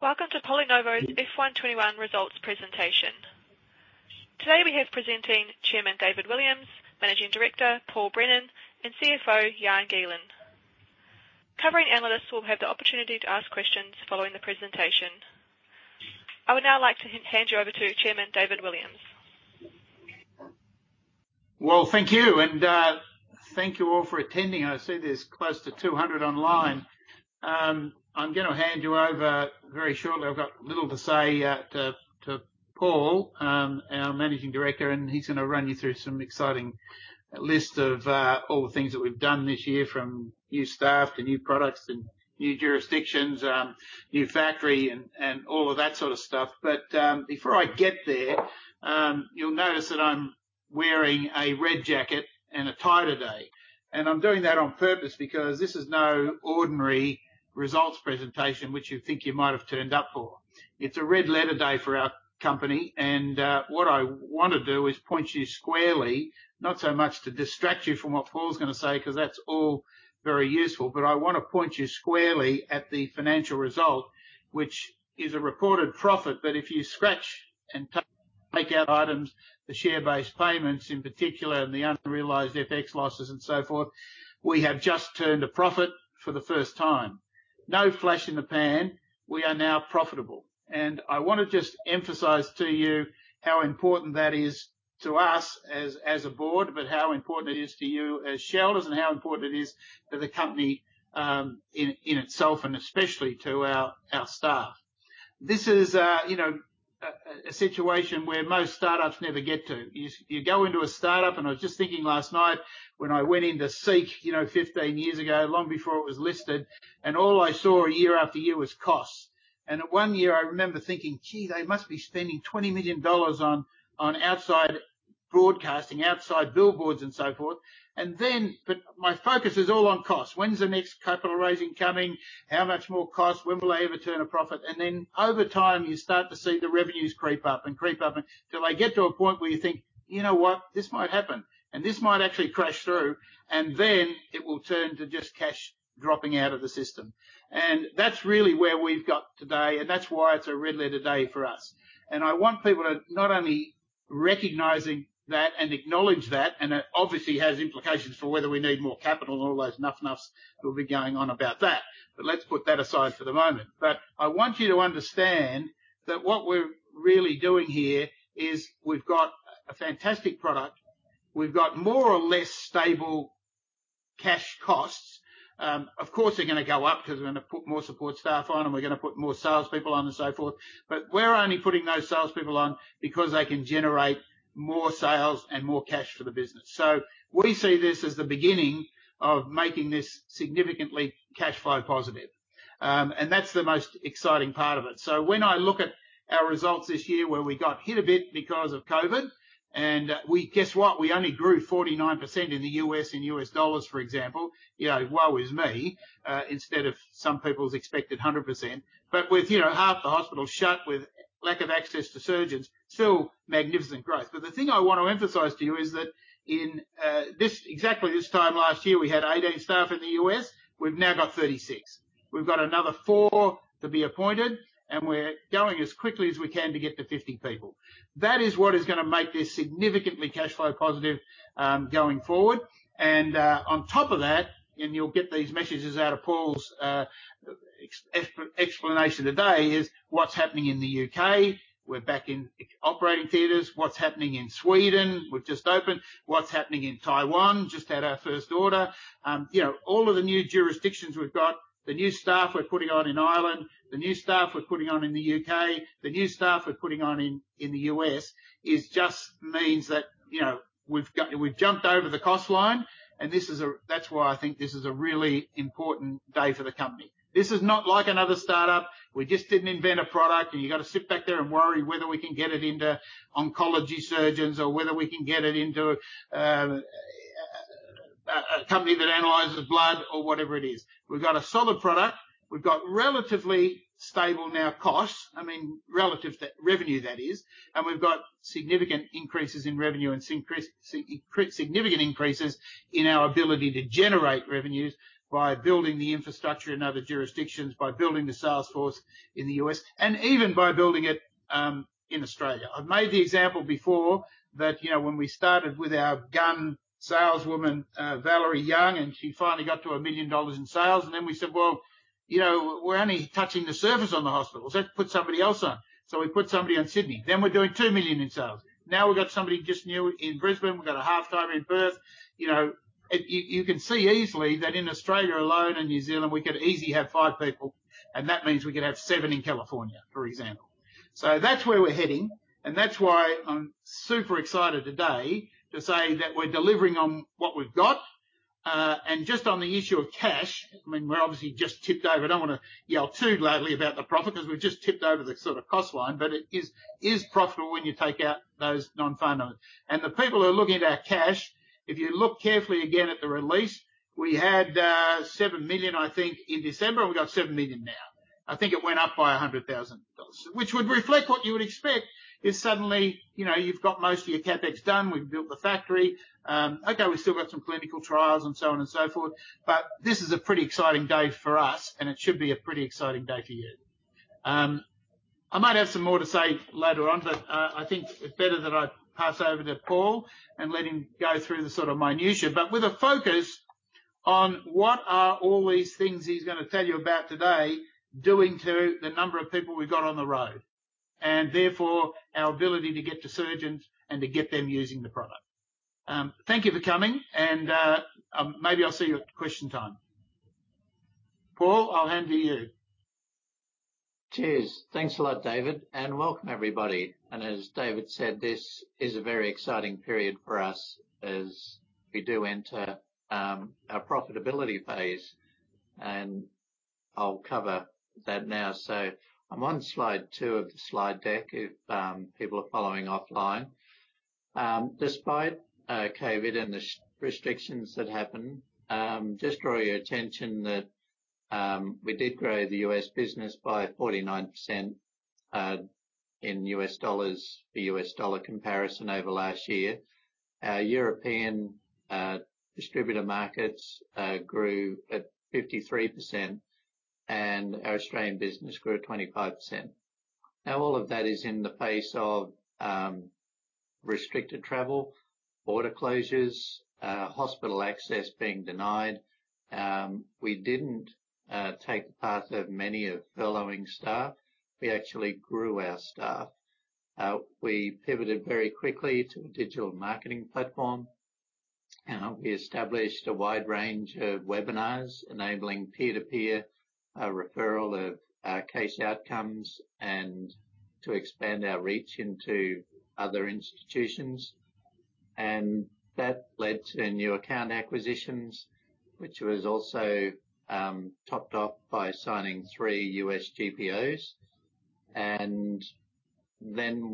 Welcome to PolyNovo's FY21 results presentation. Today we have presenting Chairman, David Williams, Managing Director, Paul Brennan, and CFO, Jan Gielen. Covering analysts will have the opportunity to ask questions following the presentation. I would now like to hand you over to Chairman, David Williams. Well, thank you. Thank you all for attending. I see there's close to 200 online. I'm going to hand you over very shortly, I've got little to say, to Paul, our Managing Director, and he's going to run you through some exciting list of all the things that we've done this year, from new staff to new products and new jurisdictions, new factory, and all of that sort of stuff. Before I get there, you'll notice that I'm wearing a red jacket and a tie today. I'm doing that on purpose because this is no ordinary results presentation which you think you might have turned up for. It's a red letter day for our company, and what I want to do is point you squarely, not so much to distract you from what Paul's going to say, because that's all very useful, but I want to point you squarely at the financial result, which is a reported profit. If you scratch and take out items, the share-based payments in particular, and the unrealized FX losses and so forth, we have just turned a profit for the first time. No flash in the pan. We are now profitable. I want to just emphasize to you how important that is to us as a board, but how important it is to you as shareholders and how important it is to the company in itself, and especially to our staff. This is a situation where most startups never get to. You go into a startup, and I was just thinking last night when I went into SEEK 15 years ago, long before it was listed, and all I saw year after year was costs. At one year I remember thinking, "Gee, they must be spending 20 million dollars on outside broadcasting, outside billboards and so forth." My focus is all on cost. When's the next capital raising coming? How much more cost? When will they ever turn a profit? Over time, you start to see the revenues creep up and creep up until they get to a point where you think, "You know what? This might happen, and this might actually crash through." It will turn to just cash dropping out of the system. That's really where we've got today, and that's why it's a red letter day for us. I want people to not only recognizing that and acknowledge that. It obviously has implications for whether we need more capital and all those and ifs. We'll be going on about that. Let's put that aside for the moment. I want you to understand that what we're really doing here is we've got a fantastic product. We've got more or less stable cash costs. Of course, they're going to go up because we're going to put more support staff on, and we're going to put more sales people on and so forth. We're only putting those sales people on because they can generate more sales and more cash for the business. We see this as the beginning of making this significantly cash flow positive. That's the most exciting part of it. When I look at our results this year where we got hit a bit because of COVID, guess what? We only grew 49% in the U.S. in U.S. dollars, for example. Woe is me, instead of some people's expected 100%. With half the hospital shut, with lack of access to surgeons, still magnificent growth. The thing I want to emphasize to you is that exactly this time last year, we had 18 staff in the U.S. We have now got 36. We have got another four to be appointed, and we are going as quickly as we can to get to 50 people. That is what is going to make this significantly cash flow positive going forward. On top of that, and you will get these messages out of Paul's explanation today, is what is happening in the U.K. We are back in operating theaters. What is happening in Sweden. We've just opened. What's happening in Taiwan. Just had our first order. All of the new jurisdictions we've got, the new staff we're putting on in Ireland, the new staff we're putting on in the U.K., the new staff we're putting on in the U.S., it just means that we've jumped over the cost line. That's why I think this is a really important day for the company. This is not like another startup. We just didn't invent a product. You've got to sit back there and worry whether we can get it into oncology surgeons or whether we can get it into a company that analyzes blood or whatever it is. We've got a solid product. We've got relatively stable now costs. Relative to revenue, that is. We've got significant increases in revenue and significant increases in our ability to generate revenues by building the infrastructure in other jurisdictions, by building the sales force in the U.S., and even by building it in Australia. I've made the example before that when we started with our gun saleswoman, Valerie Young, and she finally got to 1 million dollars in sales, and then we said, "Well, we're only touching the surface on the hospitals." Let's put somebody else on. We put somebody on Sydney. We're doing 2 million in sales. Now we've got somebody just new in Brisbane. We've got a half-timer in Perth. You can see easily that in Australia alone and New Zealand, we could easily have five people, and that means we could have seven in California, for example. That's where we're heading, and that's why I'm super excited today to say that we're delivering on what we've got. Just on the issue of cash, we're obviously just tipped over. I don't want to yell too loudly about the profit because we've just tipped over the cost line, but it is profitable when you take out those non-flows. The people who are looking at our cash, if you look carefully again at the release, we had 7 million, I think, in December, and we've got 7 million now. I think it went up by 100,000 dollars. This would reflect what you would expect, is suddenly you've got most of your CapEx done. We've built the factory. We've still got some clinical trials and so on and so forth, but this is a pretty exciting day for us, and it should be a pretty exciting day for you. I might have some more to say later on, but I think it's better that I pass over to Paul and let him go through the minutia, but with a focus on what are all these things he's going to tell you about today doing to the number of people we've got on the road, and therefore our ability to get to surgeons and to get them using the product. Thank you for coming, and maybe I'll see you at question time. Paul, I'll hand to you. Cheers. Thanks a lot, David, and welcome everybody. As David said, this is a very exciting period for us as we do enter our profitability phase, and I'll cover that now. I'm on slide two of the slide deck if people are following offline. Despite COVID and the restrictions that happened, just draw your attention that we did grow the U.S. business by 49% in U.S. dollars for U.S. dollar comparison over last year. Our European distributor markets grew at 53%, and our Australian business grew at 25%. All of that is in the face of restricted travel, border closures, hospital access being denied. We didn't take the path of many of furloughing staff, we actually grew our staff. We pivoted very quickly to a digital marketing platform. We established a wide range of webinars enabling peer-to-peer referral of case outcomes and to expand our reach into other institutions. That led to new account acquisitions, which was also topped off by signing three U.S. GPOs.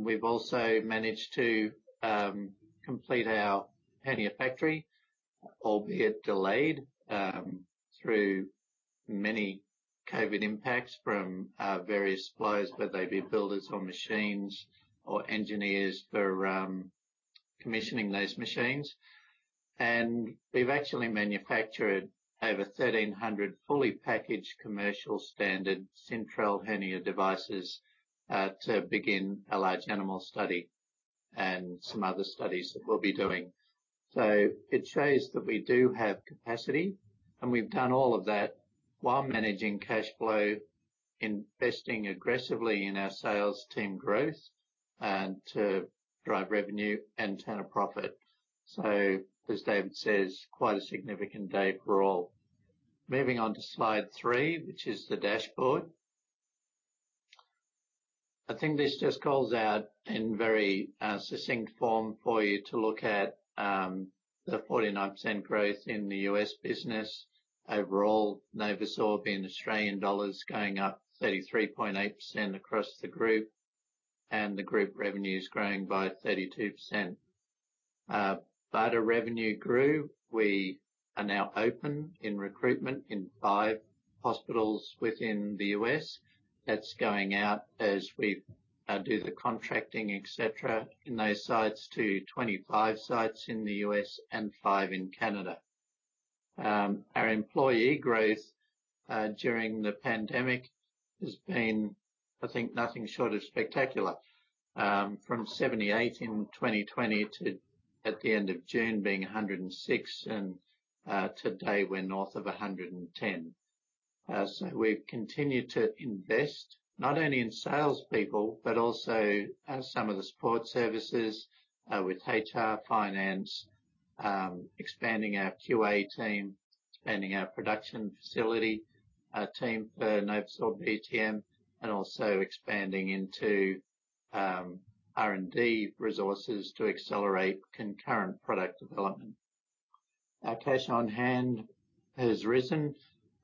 We've also managed to complete our hernia factory, albeit delayed through many COVID impacts from various suppliers, whether they be builders or machines or engineers for commissioning those machines. We've actually manufactured over 1,300 fully packaged commercial standard Syntrel hernia devices to begin a large animal study and some other studies that we'll be doing. It shows that we do have capacity, and we've done all of that while managing cash flow, investing aggressively in our sales team growth, and to drive revenue and turn a profit. As David says, quite a significant day for all. Moving on to slide three, which is the dashboard. I think this just calls out in very succinct form for you to look at the 49% growth in the U.S. business overall in USD, NovoSorb in AUD going up 33.8% across the group, and the group revenue's growing by 32%. BARDA revenue grew. We are now open in recruitment in five hospitals within the U.S. That's going out as we do the contracting, et cetera, in those sites to 25 sites in the U.S. and five in Canada. Our employee growth during the pandemic has been, I think, nothing short of spectacular. From 78 in 2020 to at the end of June being 106, and today we're north of 110. We've continued to invest not only in salespeople, but also some of the support services with HR, finance, expanding our QA team, expanding our production facility team for NovoSorb BTM, and also expanding into R&D resources to accelerate concurrent product development. Our cash on hand has risen,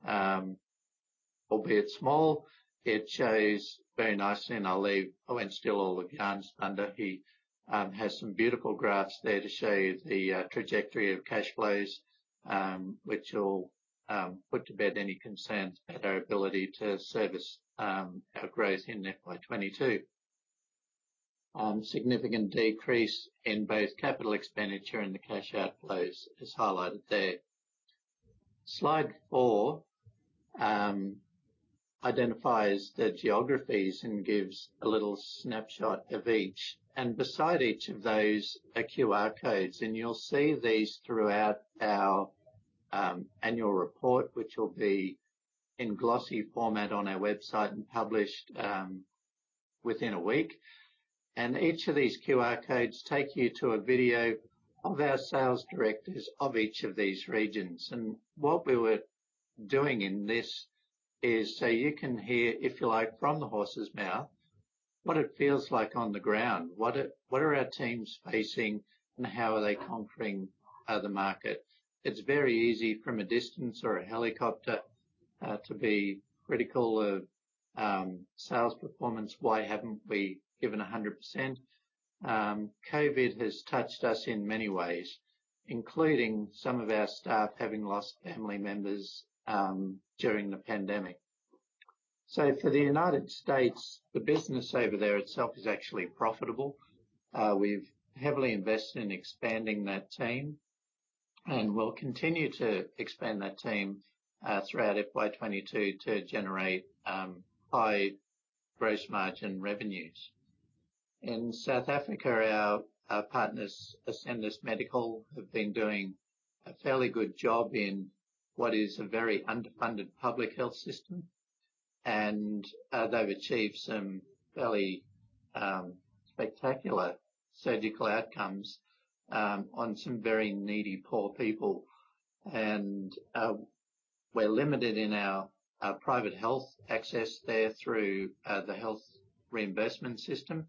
albeit small. It shows very nicely, and I'll leave. He has some beautiful graphs there to show you the trajectory of cash flows, which will put to bed any concerns about our ability to service our growth in FY 2022. Significant decrease in both capital expenditure and the cash outflows is highlighted there. Slide four identifies the geographies and gives a little snapshot of each. Beside each of those are QR codes, and you'll see these throughout our annual report, which will be in glossy format on our website and published within a week. Each of these QR codes take you to a video of our sales directors of each of these regions. What we were doing in this is so you can hear, if you like, from the horse's mouth, what it feels like on the ground. What are our teams facing, and how are they conquering the market? It's very easy from a distance or a helicopter to be critical of sales performance. Why haven't we given 100%? COVID has touched us in many ways, including some of our staff having lost family members during the pandemic. For the U.S., the business over there itself is actually profitable. We've heavily invested in expanding that team, and we'll continue to expand that team throughout FY 2022 to generate high gross margin revenues. In South Africa, our partners, Ascendis Medical, have been doing a fairly good job in what is a very underfunded public health system. They've achieved some fairly spectacular surgical outcomes on some very needy, poor people. We're limited in our private health access there through the health reimbursement system.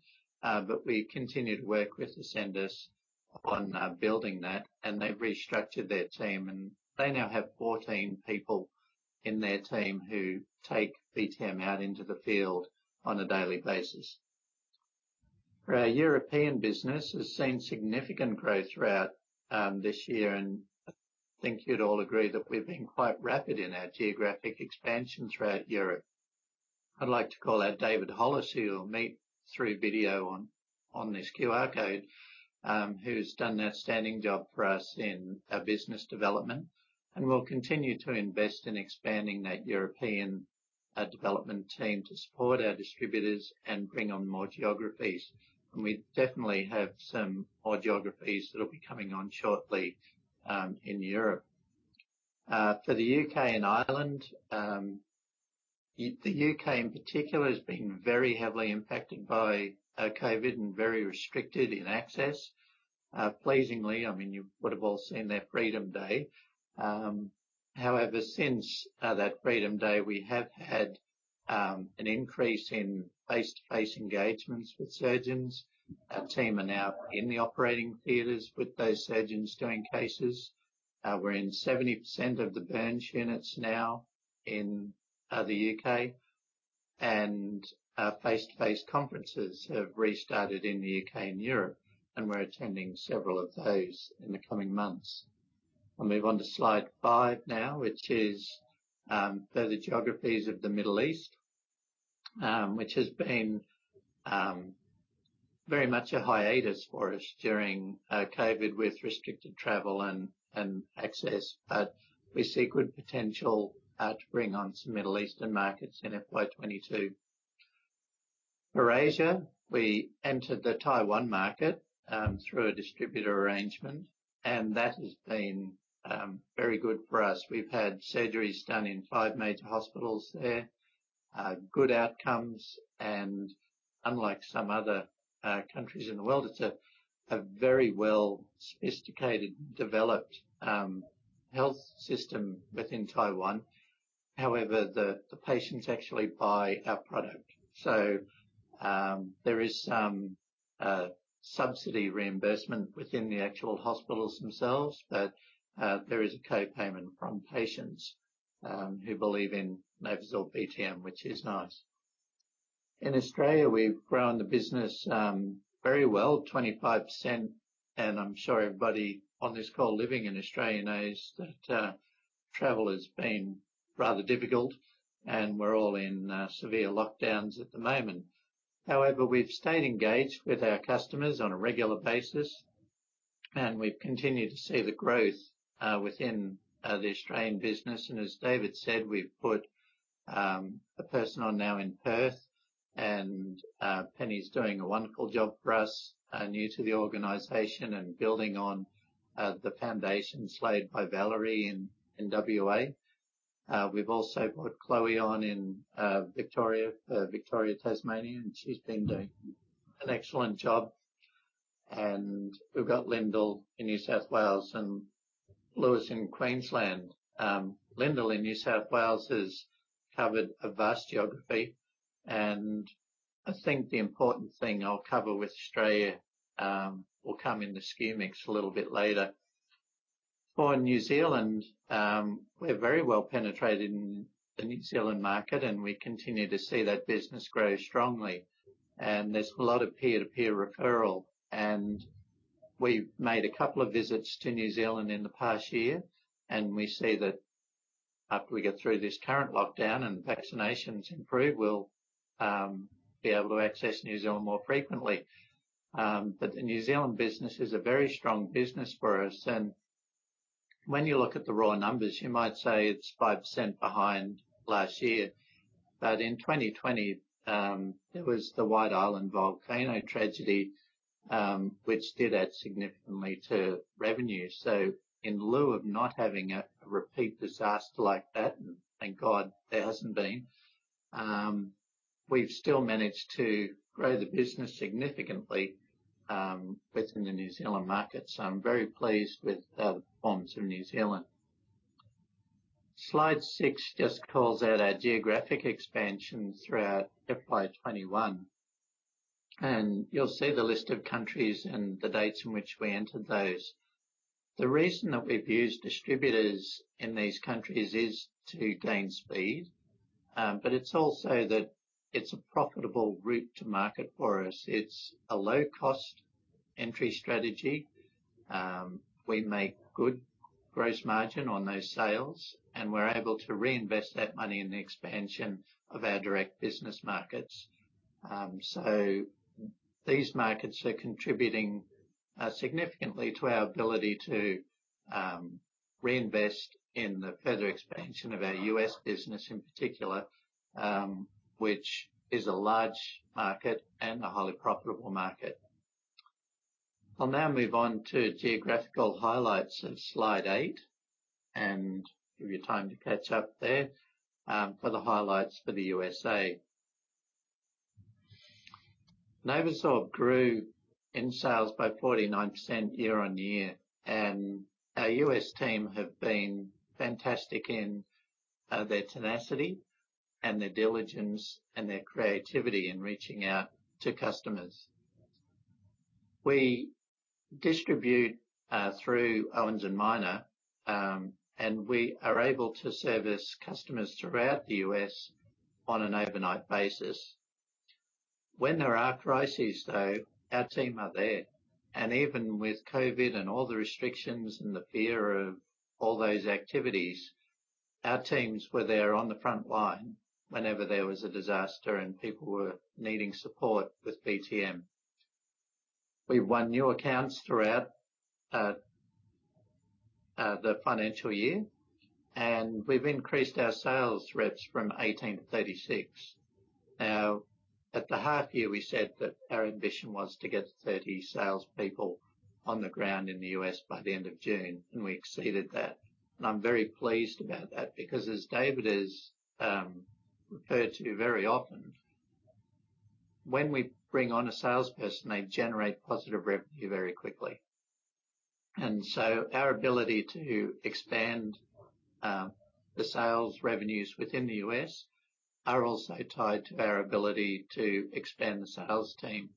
We continue to work with Ascendis on building that. They've restructured their team, and they now have 14 people in their team who take BTM out into the field on a daily basis. Our European business has seen significant growth throughout this year. I think you'd all agree that we've been quite rapid in our geographic expansion throughout Europe. I'd like to call out David Hollis, who you'll meet through video on this QR code, who's done an outstanding job for us in our business development. We'll continue to invest in expanding that European development team to support our distributors and bring on more geographies. We definitely have some more geographies that'll be coming on shortly in Europe. For the U.K. and Ireland, the U.K., in particular, has been very heavily impacted by COVID and very restricted in access. Pleasingly, you would've all seen that freedom day. However, since that freedom day, we have had an increase in face-to-face engagements with surgeons. Our team are now in the operating theaters with those surgeons doing cases. We're in 70% of the burn units now in the U.K., and face-to-face conferences have restarted in the U.K. and Europe, and we're attending several of those in the coming months. I'll move on to slide five now, which is the geographies of the Middle East, which has been very much a hiatus for us during COVID with restricted travel and access. We see good potential to bring on some Middle Eastern markets in FY2022. For Asia, we entered the Taiwan market through a distributor arrangement, and that has been very good for us. We've had surgeries done in five major hospitals there, good outcomes, and unlike some other countries in the world, it's a very well sophisticated, developed health system within Taiwan. However, the patients actually buy our product. There is some subsidy reimbursement within the actual hospitals themselves, but there is a co-payment from patients who believe in NovoSorb BTM, which is nice. In Australia, we've grown the business very well, 25%. I'm sure everybody on this call living in Australia knows that travel has been rather difficult. We're all in severe lockdowns at the moment. However, we've stayed engaged with our customers on a regular basis. We've continued to see the growth within the Australian business. As David said, we've put a person on now in Perth. Penny's doing a wonderful job for us, new to the organization and building on the foundations laid by Valerie in WA. We've also put Chloe on in Victoria, Tasmania. She's been doing an excellent job. We've got Lyndal in New South Wales and Lewis in Queensland. Lyndal in New South Wales has covered a vast geography. I think the important thing I'll cover with Australia will come in the SKU mix a little bit later. For New Zealand, we're very well penetrated in the New Zealand market. We continue to see that business grow strongly. There's a lot of peer-to-peer referral. We've made a couple of visits to New Zealand in the past year, and we see that after we get through this current lockdown and vaccinations improve, we'll be able to access New Zealand more frequently. The New Zealand business is a very strong business for us, and when you look at the raw numbers, you might say it's 5% behind last year. In 2020, there was the White Island volcano tragedy, which did add significantly to revenue. In lieu of not having a repeat disaster like that, and thank God there hasn't been, we've still managed to grow the business significantly within the New Zealand market. I'm very pleased with the performance of New Zealand. Slide six just calls out our geographic expansion throughout FY 2021. You'll see the list of countries and the dates in which we entered those. The reason that we've used distributors in these countries is to gain speed, but it's also that it's a profitable route to market for us. It's a low-cost entry strategy. We make good gross margin on those sales, and we're able to reinvest that money in the expansion of our direct business markets. These markets are contributing significantly to our ability to reinvest in the further expansion of our U.S. business in particular, which is a large market and a highly profitable market. I'll now move on to geographical highlights on slide eight, and give you time to catch up there for the highlights for the USA. NovoSorb grew in sales by 49% year on year, and our U.S. team have been fantastic in their tenacity and their diligence and their creativity in reaching out to customers. We distribute through Owens & Minor, and we are able to service customers throughout the U.S. on an overnight basis. When there are crises, though, our team are there. Even with COVID and all the restrictions and the fear of all those activities, our teams were there on the front line whenever there was a disaster, and people were needing support with BTM. We won new accounts throughout the financial year, and we've increased our sales reps from 18-36. Now, at the half year, we said that our ambition was to get 30 salespeople on the ground in the U.S. by the end of June, and we exceeded that. I'm very pleased about that because as David has referred to very often, when we bring on a salesperson, they generate positive revenue very quickly. Our ability to expand the sales revenues within the U.S. are also tied to our ability to expand the sales team.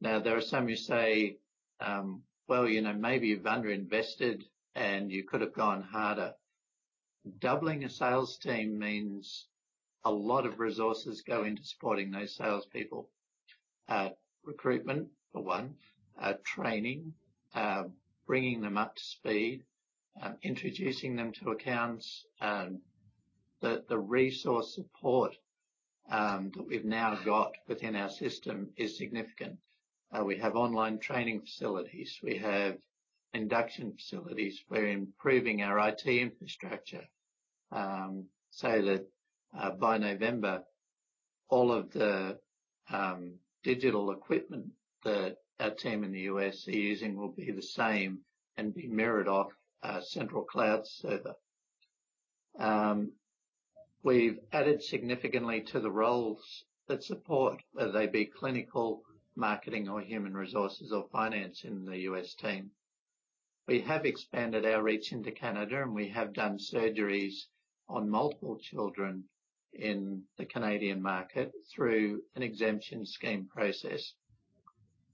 There are some who say, "Well, maybe you've under-invested and you could have gone harder." Doubling a sales team means a lot of resources go into supporting those salespeople. Recruitment for one, training, bringing them up to speed, introducing them to accounts. The resource support that we've now got within our system is significant. We have online training facilities. We have induction facilities. We're improving our IT infrastructure, so that by November, all of the digital equipment that our team in the U.S. are using will be the same and be mirrored off a central cloud server. We've added significantly to the roles that support, whether they be clinical marketing or human resources or finance in the U.S. team. We have expanded our reach into Canada, and we have done surgeries on multiple children in the Canadian market through an exemption scheme process.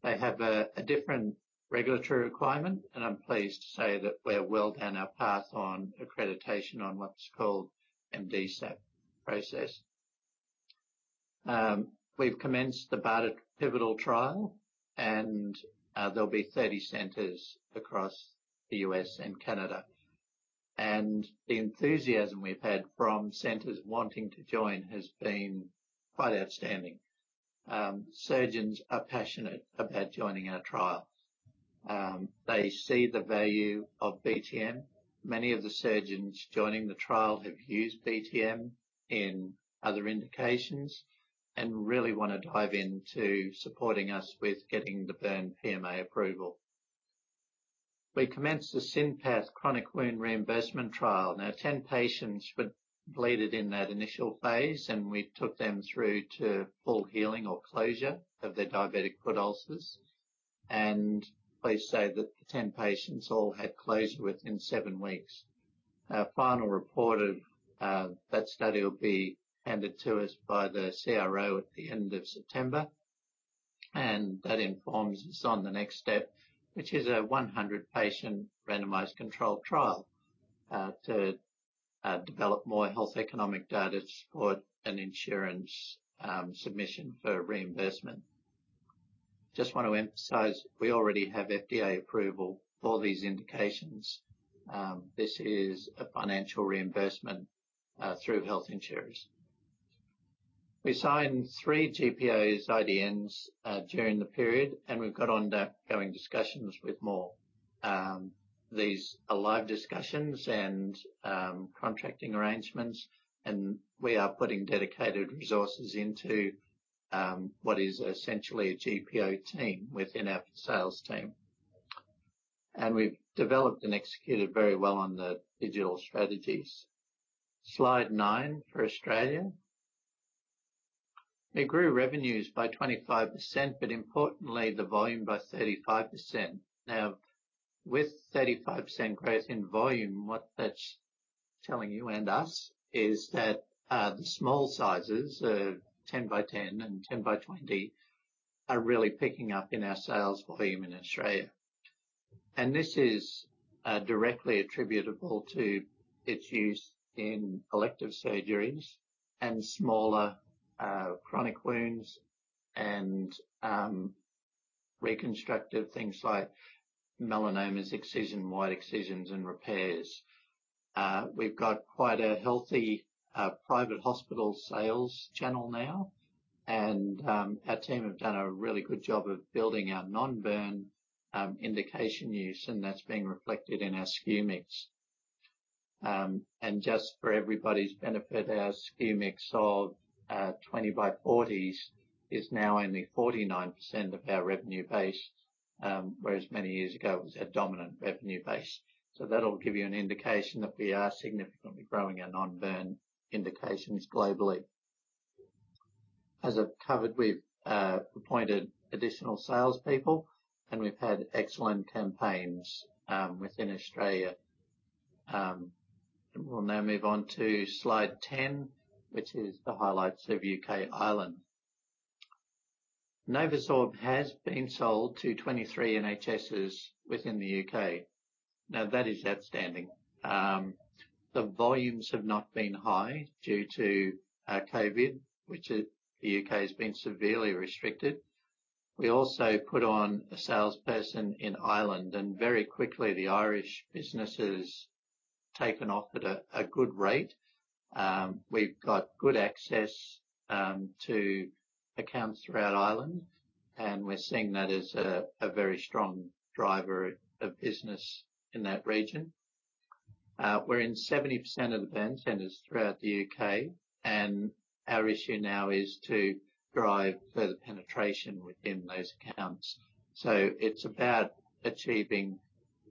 They have a different regulatory requirement, and I'm pleased to say that we're well down our path on accreditation on what's called MDSAP process. We've commenced the BARDA pivotal trial, and there'll be 30 centers across the U.S. and Canada. The enthusiasm we've had from centers wanting to join has been quite outstanding. Surgeons are passionate about joining our trial. They see the value of BTM. Many of the surgeons joining the trial have used BTM in other indications and really want to dive into supporting us with getting the burn PMA approval. We commenced the SynPath chronic wound reimbursement trial. 10 patients were admitted in that initial phase, and we took them through to full healing or closure of their diabetic foot ulcers. Pleased to say that the 10 patients all had closure within seven weeks. Our final report of that study will be handed to us by the CRO at the end of September, and that informs us on the next step, which is a 100-patient randomized controlled trial, to develop more health economic data to support an insurance submission for reimbursement. Just want to emphasize, we already have FDA approval for these indications. This is a financial reimbursement through health insurers. We signed three GPOs/IDNs during the period, and we've got ongoing discussions with more. These are live discussions and contracting arrangements, and we are putting dedicated resources into what is essentially a GPO team within our sales team. We've developed and executed very well on the digital strategies. Slide nine for Australia. We grew revenues by 25%, but importantly, the volume by 35%. Now, with 35% growth in volume, what that's telling you and us is that the small sizes of 10 by 10 and 10 by 20 are really picking up in our sales volume in Australia. This is directly attributable to its use in elective surgeries and smaller chronic wounds, and reconstructive things like melanomas, excision, wide excisions, and repairs. We've got quite a healthy private hospital sales channel now, and our team have done a really good job of building our non-burn indication use, and that's being reflected in our SKU mix. Just for everybody's benefit, our SKU mix of 20 by 40s is now only 49% of our revenue base, whereas many years ago, it was our dominant revenue base. That'll give you an indication that we are significantly growing our non-burn indications globally. As I've covered, we've appointed additional salespeople, and we've had excellent campaigns, within Australia. We'll now move on to slide 10, which is the highlights of U.K. and Ireland. NovoSorb has been sold to 23 NHSs within the U.K. That is outstanding. The volumes have not been high due to COVID, which the U.K. has been severely restricted. We also put on a salesperson in Ireland, and very quickly the Irish business has taken off at a good rate. We've got good access to accounts throughout Ireland, and we're seeing that as a very strong driver of business in that region. We're in 70% of the burn centers throughout the U.K., and our issue now is to drive further penetration within those accounts. It's about achieving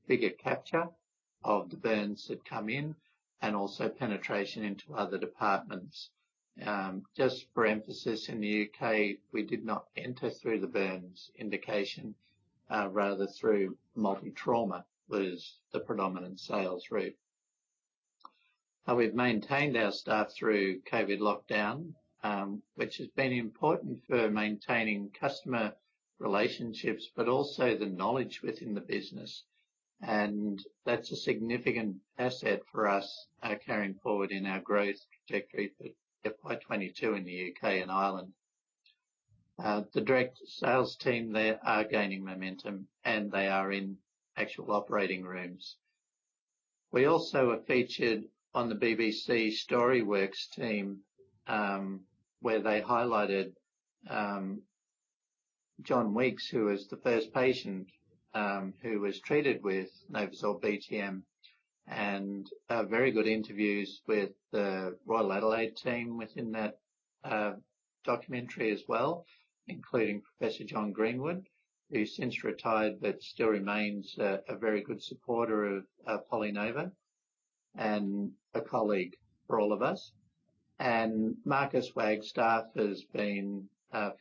bigger capture of the burns that come in and also penetration into other departments. Just for emphasis, in the U.K., we did not enter through the burns indication, rather through multi-trauma was the predominant sales route. We've maintained our staff through COVID lockdown, which has been important for maintaining customer relationships but also the knowledge within the business. That's a significant asset for us carrying forward in our growth trajectory for FY 2022 in the U.K. and Ireland. The direct sales team there are gaining momentum, and they are in actual operating rooms. We also are featured on the BBC StoryWorks team, where they highlighted John Weeks, who was the first patient, who was treated with NovoSorb BTM, and very good interviews with the Royal Adelaide team within that documentary as well, including Professor John Greenwood, who's since retired but still remains a very good supporter of PolyNovo and a colleague for all of us. Marcus Wagstaff has been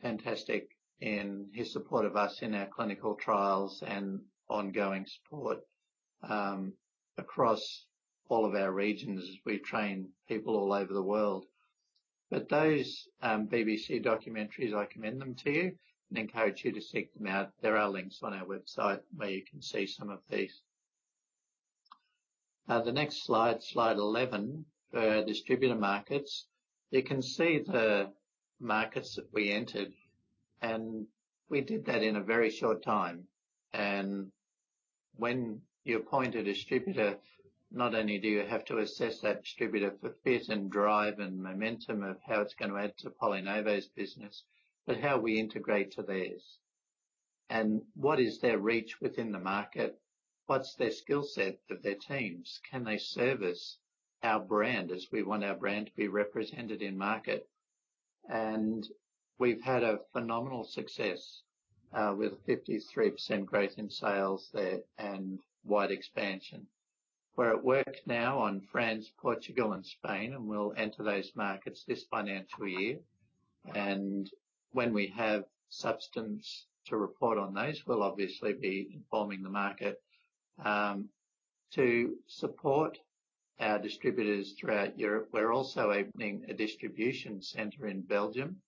fantastic in his support of us in our clinical trials and ongoing support across all of our regions as we train people all over the world. Those BBC documentaries, I commend them to you and encourage you to seek them out. There are links on our website where you can see some of these. The next slide 11, for our distributor markets. You can see the markets that we entered, and we did that in a very short time. When you appoint a distributor, not only do you have to assess that distributor for fit and drive and momentum of how it's going to add to PolyNovo's business, but how we integrate to theirs. What is their reach within the market? What's their skill set of their teams? Can they service our brand as we want our brand to be represented in market? We've had a phenomenal success, with 53% growth in sales there and wide expansion. We're at work now on France, Portugal, and Spain, and we'll enter those markets this financial year. When we have substance to report on those, we'll obviously be informing the market. To support our distributors throughout Europe, we're also opening a distribution center in Belgium,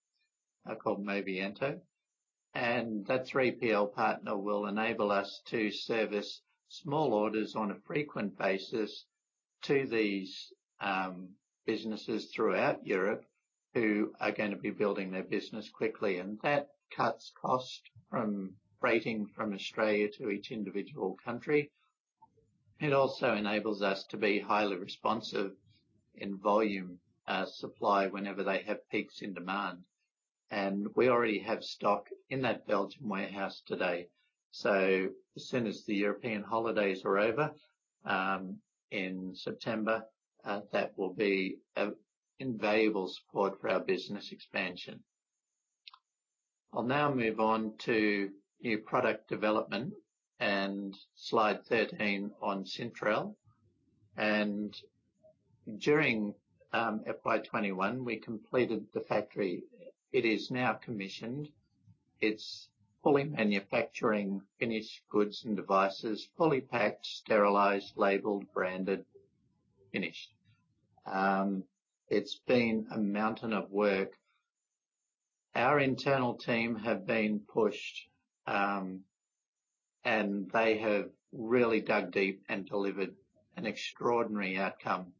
called Movianto. That 3PL partner will enable us to service small orders on a frequent basis to these businesses throughout Europe who are going to be building their business quickly. That cuts cost from freighting from Australia to each individual country. It also enables us to be highly responsive in volume supply whenever they have peaks in demand. We already have stock in that Belgium warehouse today. As soon as the European holidays are over, in September, that will be invaluable support for our business expansion. I'll now move on to new product development and slide 13 on Syntrel. During FY21, we completed the factory. It is now commissioned. It's fully manufacturing finished goods and devices, fully packed, sterilized, labeled, branded, finished. It's been a mountain of work. Our internal team have been pushed, and they have really dug deep and delivered an extraordinary outcome.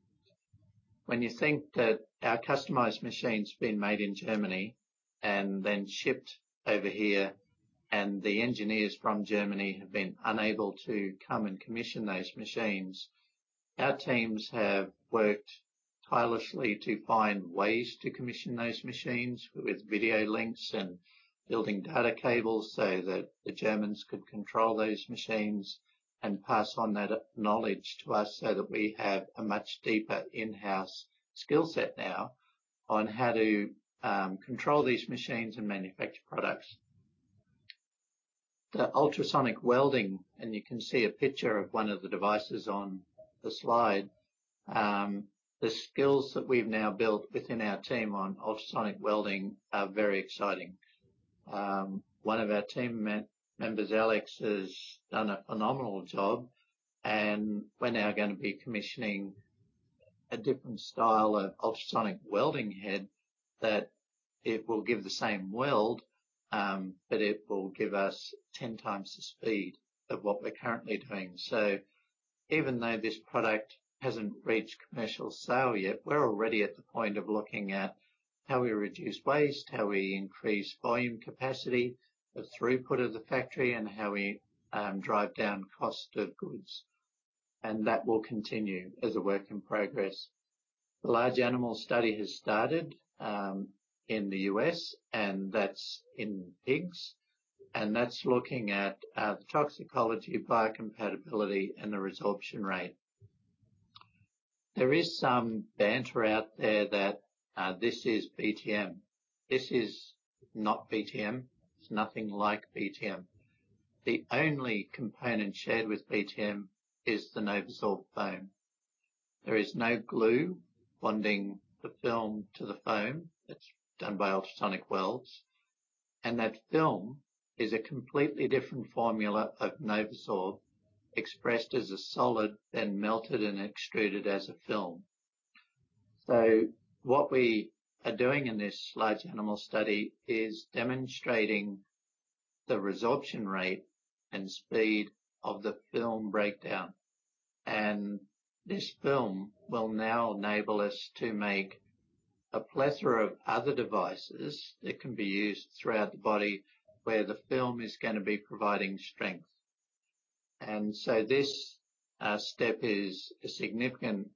When you think that our customized machine's been made in Germany and then shipped over here, and the engineers from Germany have been unable to come and commission those machines, our teams have worked tirelessly to find ways to commission those machines with video links and building data cables so that the Germans could control those machines and pass on that knowledge to us, so that we have a much deeper in-house skill set now on how to control these machines and manufacture products. The ultrasonic welding, and you can see a picture of one of the devices on the slide. The skills that we've now built within our team on ultrasonic welding are very exciting. One of our team members, Alex, has done a phenomenal job, we're now going to be commissioning a different style of ultrasonic welding head that it will give the same weld, but it will give us 10x the speed of what we're currently doing. Even though this product hasn't reached commercial sale yet, we're already at the point of looking at how we reduce waste, how we increase volume capacity, the throughput of the factory, and how we drive down cost of goods. That will continue as a work in progress. The large animal study has started in the U.S., and that's in pigs, that's looking at the toxicology, biocompatibility, and the resorption rate. There is some banter out there that this is BTM. This is not BTM. It's nothing like BTM. The only component shared with BTM is the NovoSorb foam. There is no glue bonding the film to the foam. It's done by ultrasonic welds. That film is a completely different formula of NovoSorb, expressed as a solid, then melted and extruded as a film. What we are doing in this large animal study is demonstrating the resorption rate and speed of the film breakdown. This film will now enable us to make a plethora of other devices that can be used throughout the body, where the film is going to be providing strength. This step is a significant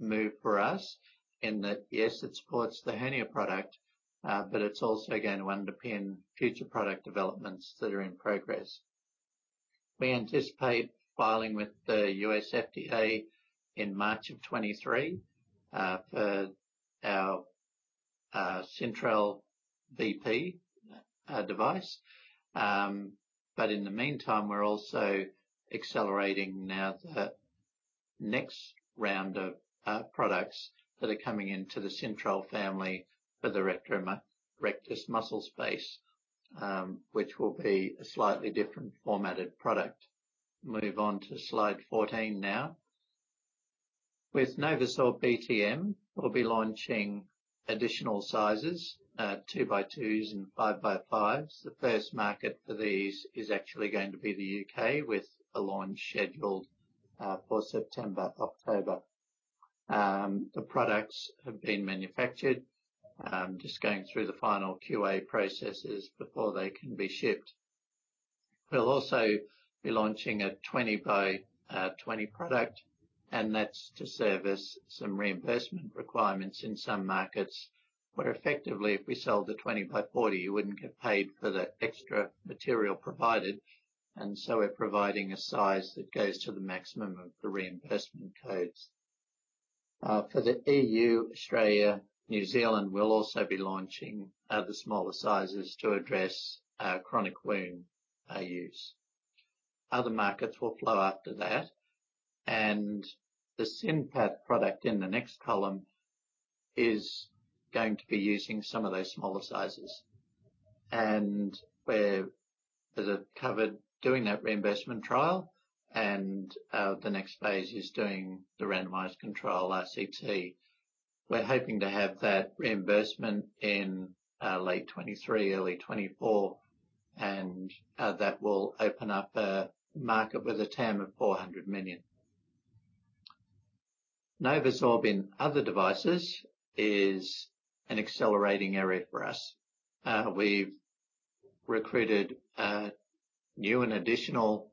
move for us in that, yes, it supports the hernia product, but it's also going to underpin future product developments that are in progress. We anticipate filing with the U.S. FDA in March of 2023, for our Syntrel device. In the meantime, we're also accelerating now the next round of products that are coming into the Syntrel family for the rectus muscle space, which will be a slightly different formatted product. Move on to slide 14 now. With NovoSorb BTM, we'll be launching additional sizes, 2 by 2 and 5 by 5. The first market for these is actually going to be the U.K., with a launch scheduled for September, October. The products have been manufactured, just going through the final QA processes before they can be shipped. We'll also be launching a 20 by 20 product, and that's to service some reimbursement requirements in some markets, where effectively, if we sold a 20 by 40, you wouldn't get paid for the extra material provided, and so we're providing a size that goes to the maximum of the reimbursement codes. For the EU, Australia, New Zealand, we'll also be launching the smaller sizes to address chronic wound use. Other markets will flow after that. The SynPath product in the next column is going to be using some of those smaller sizes. Where, as I've covered, doing that reimbursement trial, the next phase is doing the randomized control RCT. We're hoping to have that reimbursement in late 2023, early 2024, and that will open up a market with a TAM of 400 million. NovoSorb in other devices is an accelerating area for us. We've recruited new and additional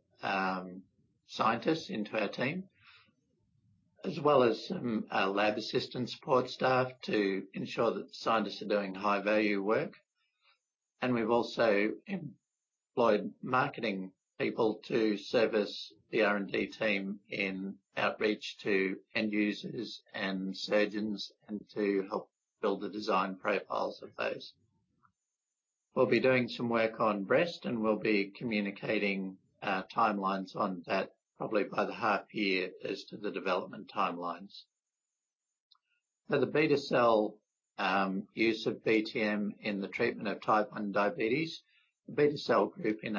scientists into our team, as well as some lab assistant support staff to ensure that scientists are doing high-value work. We've also employed marketing people to service the R&D team in outreach to end users and surgeons, and to help build the design profiles of those. We'll be doing some work on breast, and we'll be communicating timelines on that probably by the half year as to the development timelines. For the beta cell use of BTM in the treatment of Type 1 diabetes, the beta cell group in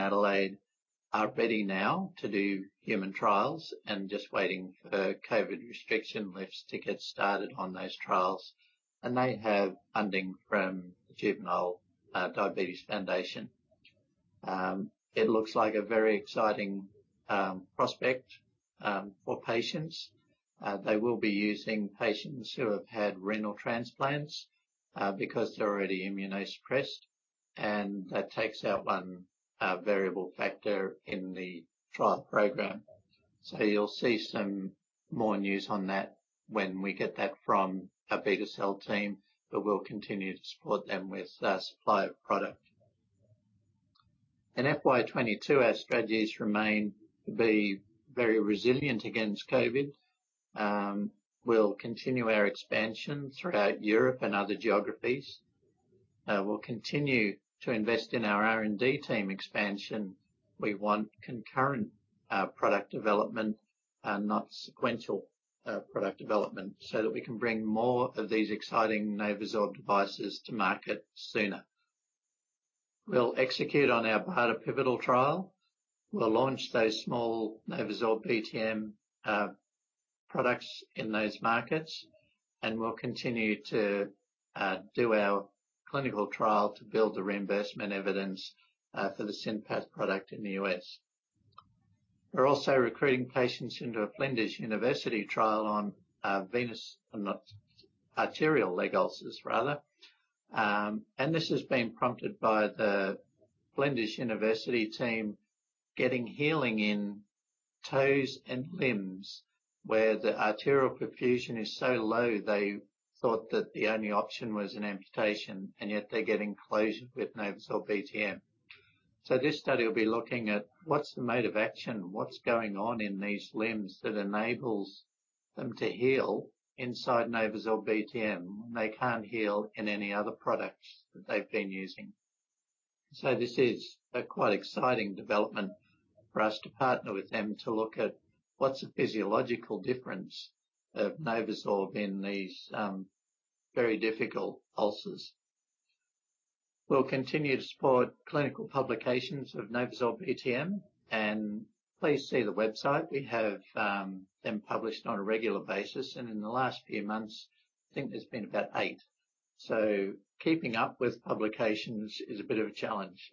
Adelaide are ready now to do human trials and just waiting for COVID restriction lifts to get started on those trials. They have funding from Juvenile Diabetes Research Foundation. It looks like a very exciting prospect for patients. They will be using patients who have had renal transplants, because they're already immunosuppressed, and that takes out one variable factor in the trial program. You'll see some more news on that when we get that from our beta cell team, but we'll continue to support them with supply of product. In FY22, our strategies remain to be very resilient against COVID. We'll continue our expansion throughout Europe and other geographies. We'll continue to invest in our R&D team expansion. We want concurrent product development and not sequential product development, so that we can bring more of these exciting NovoSorb devices to market sooner. We'll execute on our BARDA pivotal trial. We'll launch those small NovoSorb BTM products in those markets, and we'll continue to do our clinical trial to build the reimbursement evidence for the SynPath product in the U.S. We're also recruiting patients into a Flinders University trial on venous, arterial leg ulcers, rather. This has been prompted by the Flinders University team getting healing in toes and limbs, where the arterial perfusion is so low they thought that the only option was an amputation, and yet they're getting closure with NovoSorb BTM. This study will be looking at what's the mode of action, what's going on in these limbs that enables them to heal inside NovoSorb BTM, they can't heal in any other products that they've been using. This is a quite exciting development for us to partner with them to look at what's the physiological difference of NovoSorb in these very difficult ulcers. We'll continue to support clinical publications of NovoSorb BTM. Please see the website. We have them published on a regular basis. In the last few months, I think there's been about eight. Keeping up with publications is a bit of a challenge.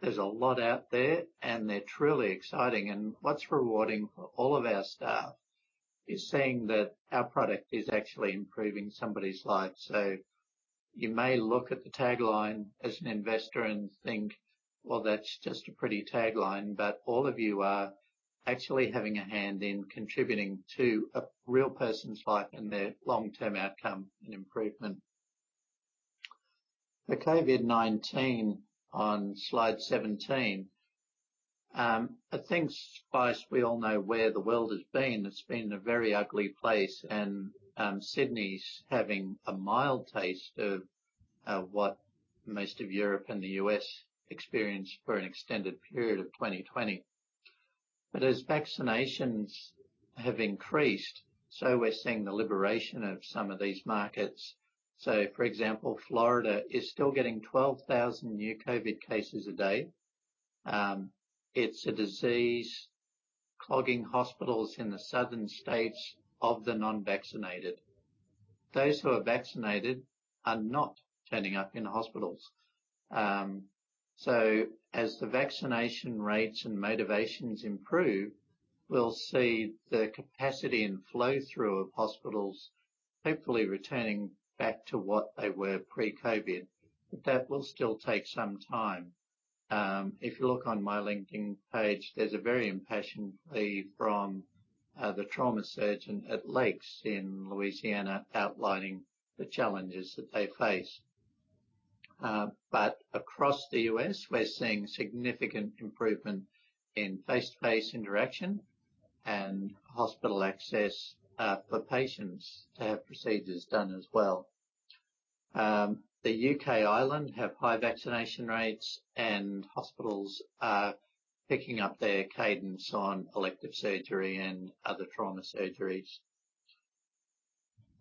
There's a lot out there. They're truly exciting. What's rewarding for all of our staff is seeing that our product is actually improving somebody's life. You may look at the tagline as an investor and think, "Well, that's just a pretty tagline." All of you are actually having a hand in contributing to a real person's life and their long-term outcome and improvement. The COVID-19 on slide 17. I think, guys, we all know where the world has been. It's been a very ugly place, and Sydney's having a mild taste of what most of Europe and the U.S. experienced for an extended period of 2020. As vaccinations have increased, so we're seeing the liberation of some of these markets. For example, Florida is still getting 12,000 new COVID cases a day. It's a disease clogging hospitals in the southern states of the non-vaccinated. Those who are vaccinated are not turning up in hospitals. As the vaccination rates and motivations improve, we'll see the capacity and flow-through of hospitals hopefully returning back to what they were pre-COVID. That will still take some time. If you look on my LinkedIn page, there's a very impassioned plea from the trauma surgeon at Lake Charles in Louisiana outlining the challenges that they face. Across the U.S., we're seeing significant improvement in face-to-face interaction and hospital access for patients to have procedures done as well. The U.K. island have high vaccination rates, and hospitals are picking up their cadence on elective surgery and other trauma surgeries.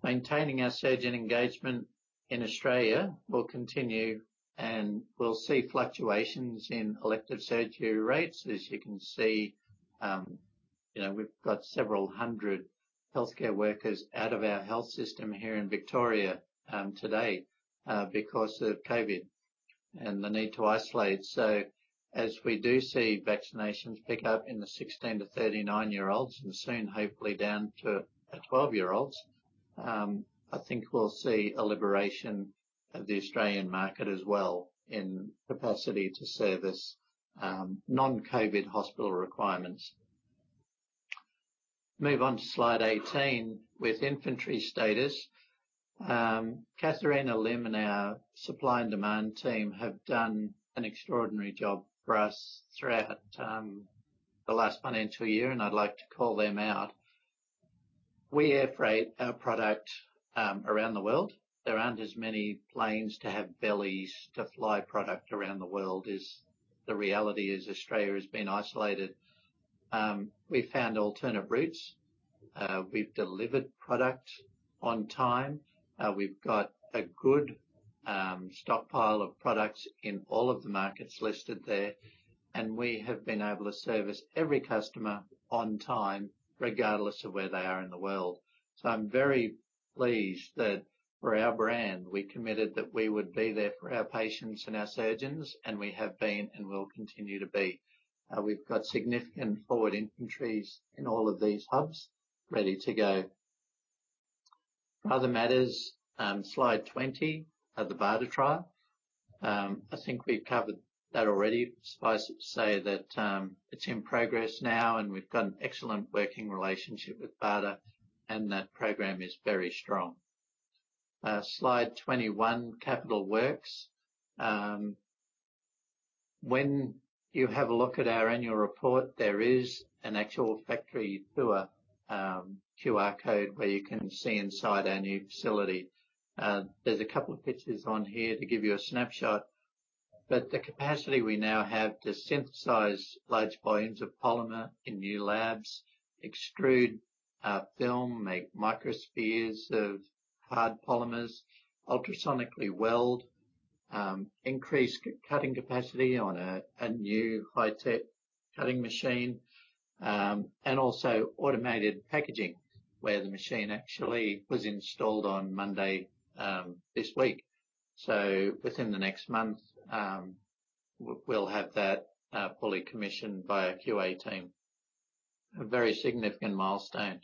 Maintaining our surgeon engagement in Australia will continue, and we'll see fluctuations in elective surgery rates. As you can see, we've got several hundred healthcare workers out of our health system here in Victoria today because of COVID and the need to isolate. As we do see vaccinations pick up in the 16 years-39 year-olds, and soon, hopefully down to the 12-year-olds, I think we'll see a liberation of the Australian market as well in capacity to service non-COVID hospital requirements. Move on to slide 18 with inventory status. Katharina Lim and our supply and demand team have done an extraordinary job for us throughout the last financial year, and I'd like to call them out. We air freight our product around the world. There aren't as many planes to have bellies to fly product around the world is the reality, as Australia has been isolated. We found alternative routes. We've delivered product on time. We've got a good stockpile of products in all of the markets listed there, and we have been able to service every customer on time, regardless of where they are in the world. I'm very pleased that for our brand, we committed that we would be there for our patients and our surgeons, and we have been, and will continue to be. We've got significant forward inventories in all of these hubs ready to go. Other matters, slide 20, the BARDA trial. I think we've covered that already. Suffice it to say that it's in progress now, and we've got an excellent working relationship with BARDA, and that program is very strong. Slide 21, capital works. When you have a look at our annual report, there is an actual factory tour QR code where you can see inside our new facility. There's a couple of pictures on here to give you a snapshot. The capacity we now have to synthesize large volumes of polymer in new labs, extrude film, make microspheres of hard polymers, ultrasonically weld, increase cutting capacity on a new high-tech cutting machine, and also automated packaging, where the machine actually was installed on Monday, this week. Within the next month, we'll have that fully commissioned by our QA team. A very significant milestone.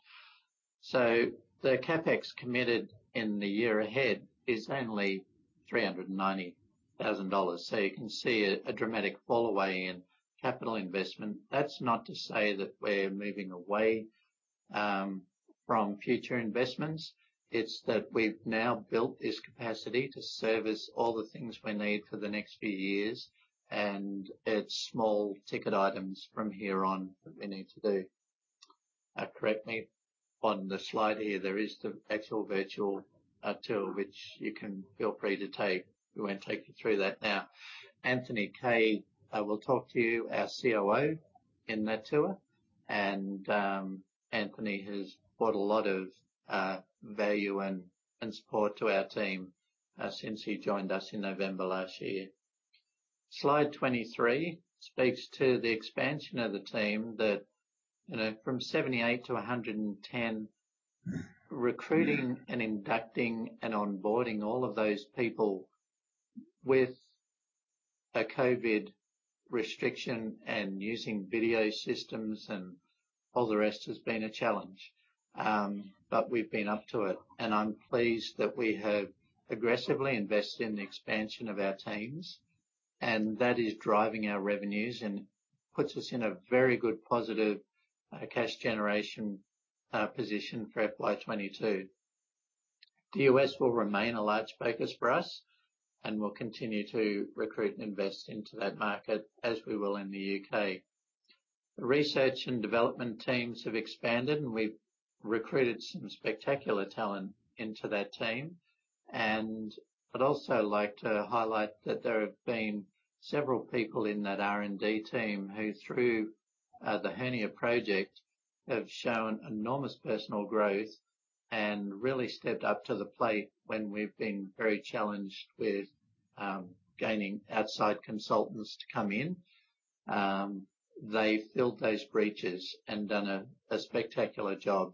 The CapEx committed in the year ahead is only 390,000 dollars. You can see a dramatic fall away in capital investment. That's not to say that we're moving away from future investments, it's that we've now built this capacity to service all the things we need for the next few years, and it's small ticket items from here on that we need to do. Correct me, on the slide here, there is the actual virtual tour, which you can feel free to take. We won't take you through that now. Anthony Kaye will talk to you, our COO, in that tour. Anthony has brought a lot of value and support to our team, since he joined us in November last year. Slide 23 speaks to the expansion of the team that from 78-110, recruiting and inducting and onboarding all of those people with a COVID restriction and using video systems and all the rest has been a challenge. We've been up to it. I'm pleased that we have aggressively invested in the expansion of our teams, and that is driving our revenues and puts us in a very good, positive, cash generation position for FY2022. The U.S. will remain a large focus for us. We'll continue to recruit and invest into that market, as we will in the U.K. We've recruited some spectacular talent into that team. I'd also like to highlight that there have been several people in that R&D team who, through the hernia project, have shown enormous personal growth and really stepped up to the plate when we've been very challenged with gaining outside consultants to come in. They've filled those breaches and done a spectacular job.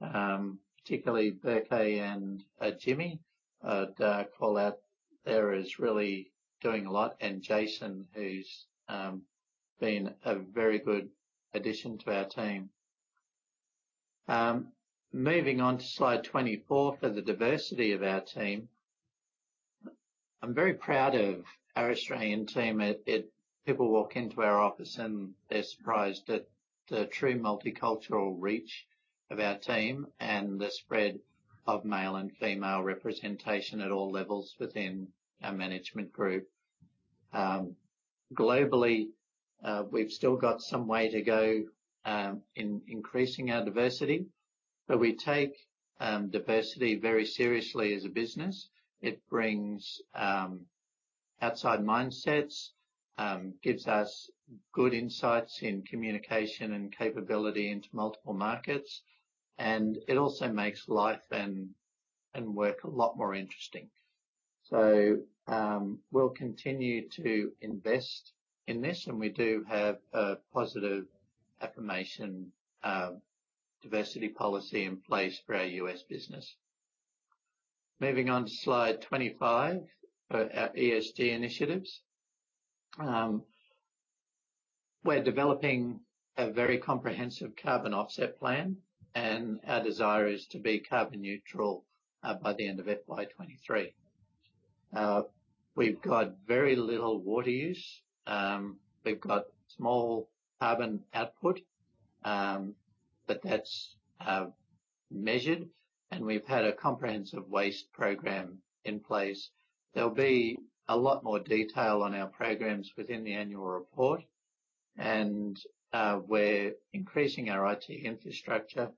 Particularly Berkay and Jimmy, I'd call out there as really doing a lot. Jason, who's been a very good addition to our team. Moving on to slide 24 for the diversity of our team. I'm very proud of our Australian team. People walk into our office, and they're surprised at the true multicultural reach of our team and the spread of male and female representation at all levels within our management group. Globally, we've still got some way to go in increasing our diversity, but we take diversity very seriously as a business. It brings outside mindsets, gives us good insights in communication and capability into multiple markets, and it also makes life and work a lot more interesting. We'll continue to invest in this, and we do have a positive affirmation diversity policy in place for our U.S. business. Moving on to slide 25 for our ESG initiatives. We're developing a very comprehensive carbon offset plan, and our desire is to be carbon neutral by the end of FY2023. We've got very little water use. We've got small carbon output, but that's measured, and we've had a comprehensive waste program in place. There'll be a lot more detail on our programs within the annual report, and we're increasing our IT infrastructure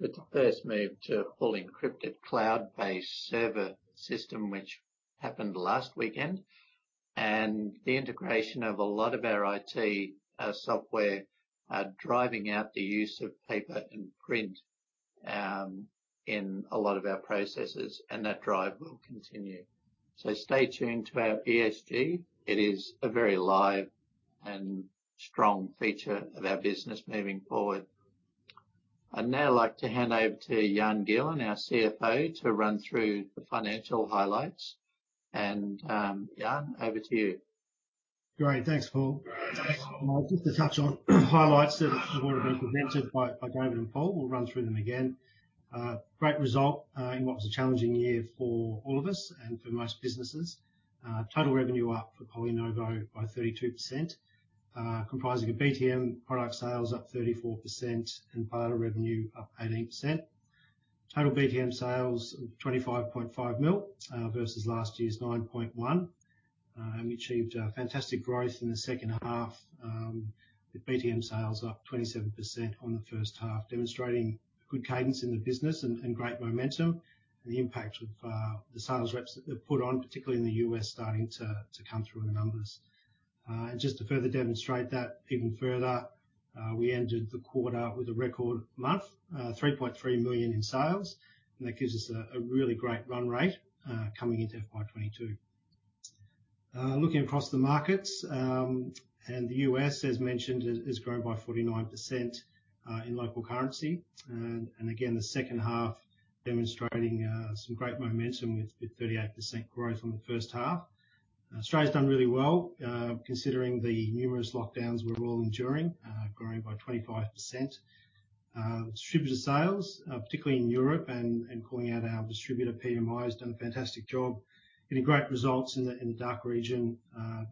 with the first move to a fully encrypted cloud-based server system, which happened last weekend. The integration of a lot of our IT software are driving out the use of paper and print in a lot of our processes, and that drive will continue. Stay tuned to our ESG. It is a very live and strong feature of our business moving forward. I'd now like to hand over to Jan Gielen, our CFO, to run through the financial highlights. Jan, over to you. Great. Thanks, Paul. Just to touch on highlights that have already been presented by David and Paul, we'll run through them again. Great result in what was a challenging year for all of us and for most businesses. Total revenue up for PolyNovo by 32%, comprising of BTM product sales up 34% and BARDA revenue up 18%. Total BTM sales, 25.5 million, versus last year's 9.1 million. We achieved a fantastic growth in the second half, with BTM sales up 27% on the first half, demonstrating good cadence in the business and great momentum and the impact of the sales reps that put on, particularly in the U.S., starting to come through in the numbers. Just to further demonstrate that even further, we ended the quarter with a record month, 3.3 million in sales, and that gives us a really great run rate, coming into FY 2022. Looking across the markets, the U.S., as mentioned, has grown by 49% in U.S. dollars. Again, the second half demonstrating some great momentum with 38% growth on the first half. Australia's done really well, considering the numerous lockdowns we're all enduring, growing by 25%. Distributor sales, particularly in Europe and calling out our distributor, PMI, has done a fantastic job getting great results in the DACH region.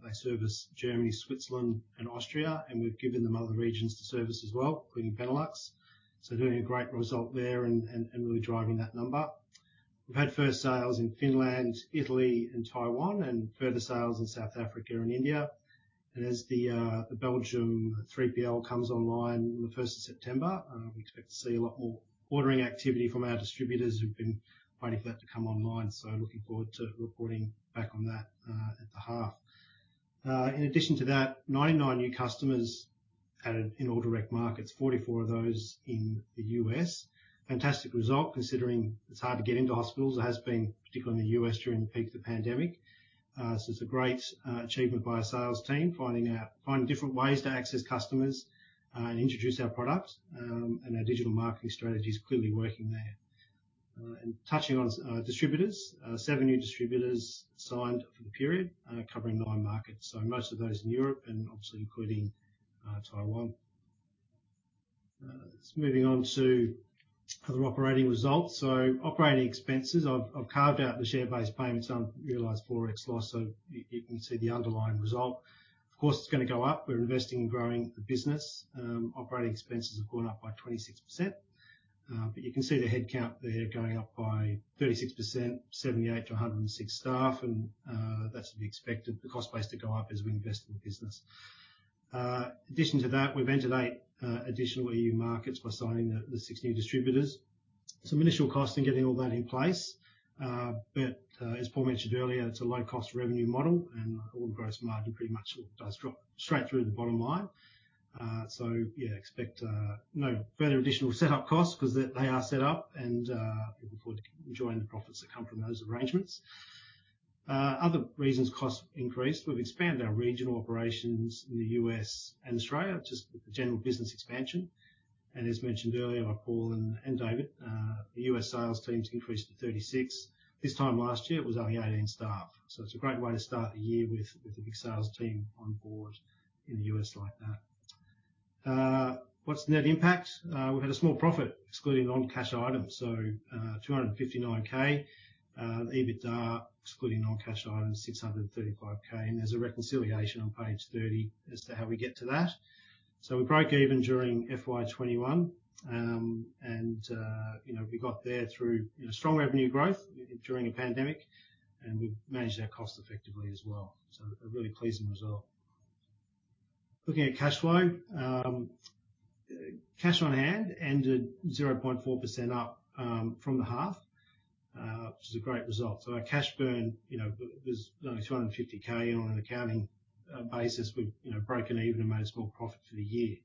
They service Germany, Switzerland, and Austria, and we've given them other regions to service as well, including Benelux. Doing a great result there and really driving that number. We've had first sales in Finland, Italy, and Taiwan, and further sales in South Africa and India. As the Belgium 3PL comes online on the 1st of September, we expect to see a lot more ordering activity from our distributors who've been waiting for that to come online. Looking forward to reporting back on that, at the half. In addition to that, 99 new customers added in all direct markets, 44 of those in the U.S. Fantastic result considering it's hard to get into hospitals or has been, particularly in the U.S. during the peak of the pandemic. It's a great achievement by our sales team, finding different ways to access customers and introduce our products. Our digital marketing strategy is clearly working there. Touching on distributors, seven new distributors signed for the period, covering nine markets. Most of those in Europe and obviously including Taiwan. Moving on to other operating results. Operating expenses, I've carved out the share-based payments, unrealized Forex loss, so you can see the underlying result. Of course, it's going to go up. We're investing in growing the business. Operating expenses have gone up by 26%. You can see the headcount there going up by 36%, 78-106 staff. That's to be expected, the cost base to go up as we invest in the business. In addition to that, we've entered eight additional EU markets by signing the six new distributors. Some initial costs in getting all that in place. As Paul mentioned earlier, it's a low-cost revenue model and all the gross margin pretty much does drop straight through to the bottom line. Yeah, expect no further additional setup costs because they are set up and looking forward to enjoying the profits that come from those arrangements. Other reasons costs increased. We've expanded our regional operations in the U.S. and Australia, just with the general business expansion. As mentioned earlier by Paul and David, the U.S. sales team's increased to 36. This time last year, it was only 18 staff. It's a great way to start the year with the big sales team on board in the U.S. like that. What's the net impact? We've had a small profit excluding non-cash items, 259, 000. EBITDA, excluding non-cash items, 635, 000. There's a reconciliation on page 30 as to how we get to that. We broke even during FY 2021. We got there through strong revenue growth during a pandemic, and we managed our costs effectively as well. A really pleasing result. Looking at cash flow. Cash on hand ended 0.4% up, from the half, which is a great result. Our cash burn was only 250, 000 on an accounting basis. We've broken even and made a small profit for the year.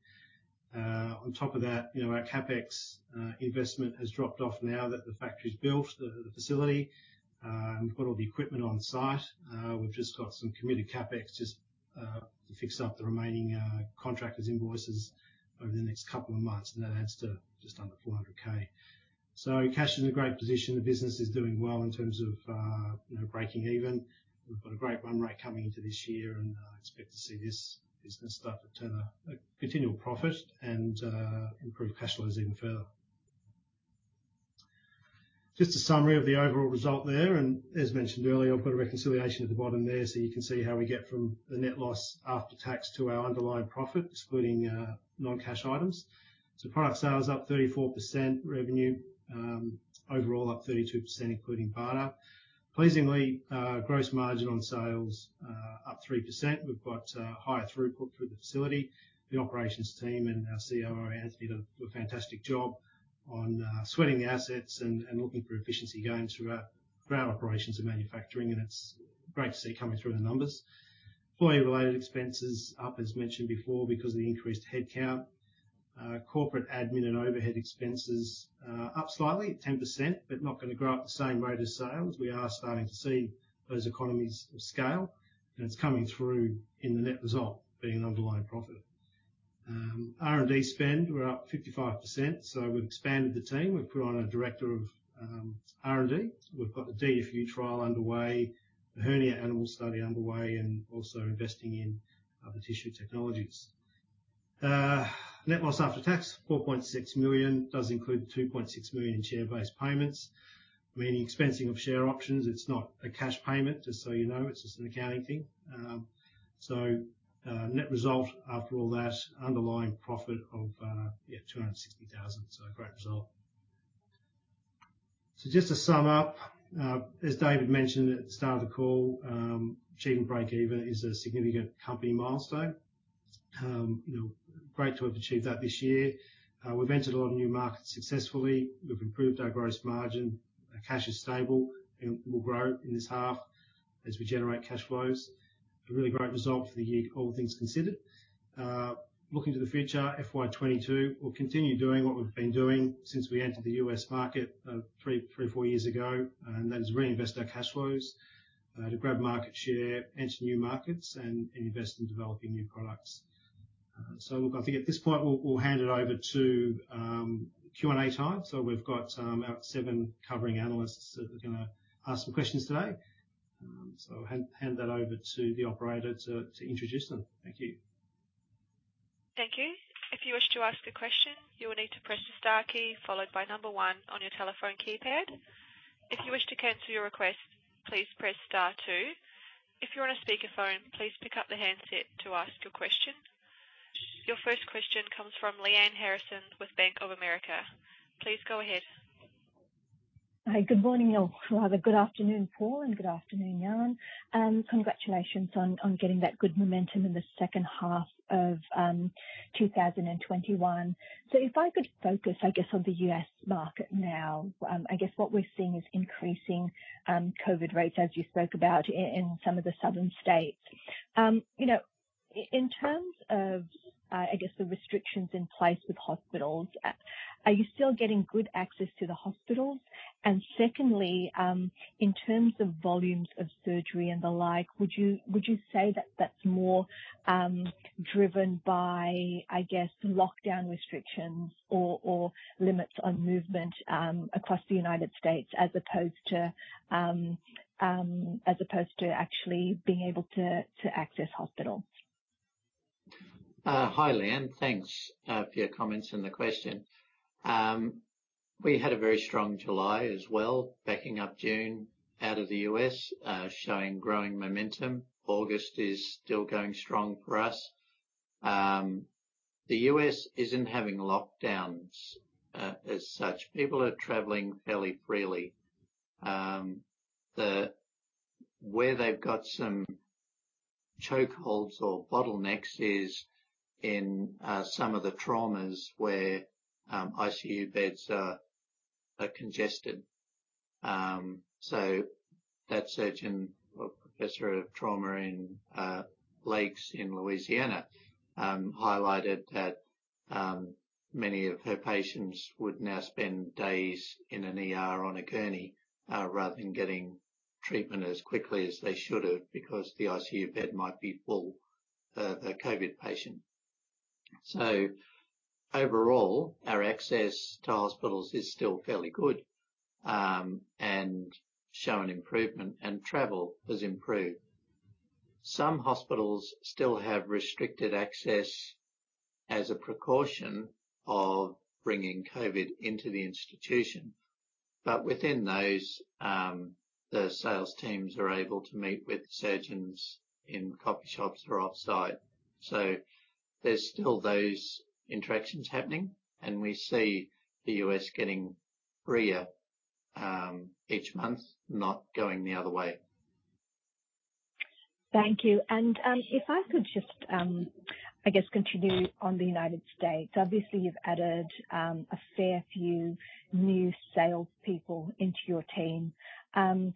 On top of that, our CapEx investment has dropped off now that the factory's built, the facility. We've got all the equipment on site. We've just got some committed CapEx just to fix up the remaining contractors' invoices over the next couple of months, and that adds to just under 400, 000. Cash is in a great position. The business is doing well in terms of breaking even. We've got a great run rate coming into this year and expect to see this business start to turn a continual profit and improve cash flows even further. Just a summary of the overall result there, and as mentioned earlier, I've got a reconciliation at the bottom there so you can see how we get from the net loss after tax to our underlying profit excluding non-cash items. Product sales up 34%, revenue overall up 32%, including BARDA. Pleasingly, gross margin on sales up 3%. We've got higher throughput through the facility. The operations team and our CRO, Ant, did a fantastic job on sweating the assets and looking for efficiency gains through our ground operations and manufacturing, and it's great to see coming through the numbers. Employee-related expenses up, as mentioned before, because of the increased headcount. Corporate admin and overhead expenses are up slightly at 10%, but not going to grow at the same rate as sales. We are starting to see those economies of scale, and it's coming through in the net result, being an underlying profit. R&D spend, we're up 55%, so we've expanded the team. We've put on a director of R&D. We've got the DFU trial underway, the hernia animal study underway, and also investing in other tissue technologies. Net loss after tax, 4.6 million, does include 2.6 million in share-based payments, meaning expensing of share options. It's not a cash payment, just so you know. It's just an accounting thing. Net result, after all that, underlying profit of 260,000. A great result. Just to sum up, as David mentioned at the start of the call, achieving breakeven is a significant company milestone. Great to have achieved that this year. We've entered a lot of new markets successfully. We've improved our gross margin. Our cash is stable and will grow in this half as we generate cash flows. A really great result for the year, all things considered. Looking to the future, FY 2022, we'll continue doing what we've been doing since we entered the U.S. market three years, four years ago, and that is reinvest our cash flows to grab market share, enter new markets, and invest in developing new products. Look, I think at this point, we'll hand it over to Q&A time. We've got about seven covering analysts that are going to ask some questions today. I'll hand that over to the operator to introduce them. Thank you. Thank you. Your first question comes from Lianne Harrison with Bank of America. Please go ahead. Hi, good morning. Or rather, good afternoon, Paul, and good afternoon, Allan. Congratulations on getting that good momentum in the second half of 2021. If I could focus, I guess, on the U.S. market now. I guess what we're seeing is increasing COVID rates, as you spoke about, in some of the southern states. In terms of the restrictions in place with hospitals, are you still getting good access to the hospitals? Secondly, in terms of volumes of surgery and the like, would you say that that's more driven by lockdown restrictions or limits on movement across the United States as opposed to actually being able to access hospitals? Hi, Lianne. Thanks for your comments and the question. We had a very strong July as well, backing up June out of the U.S., showing growing momentum. August is still going strong for us. The U.S. isn't having lockdowns as such. People are traveling fairly freely. Where they've got some chokeholds or bottlenecks is in some of the traumas where ICU beds are congested. That surgeon or professor of trauma in Lake Charles in Louisiana highlighted that many of her patients would now spend days in an ER on a gurney rather than getting treatment as quickly as they should have because the ICU bed might be full. A COVID patient. Overall, our access to hospitals is still fairly good, and show an improvement, and travel has improved. Some hospitals still have restricted access as a precaution of bringing COVID into the institution. Within those, the sales teams are able to meet with surgeons in coffee shops or off-site. There's still those interactions happening, and we see the U.S. getting freer each month, not going the other way. Thank you. If I could just continue on the U.S. Obviously, you've added a fair few new salespeople into your team. Can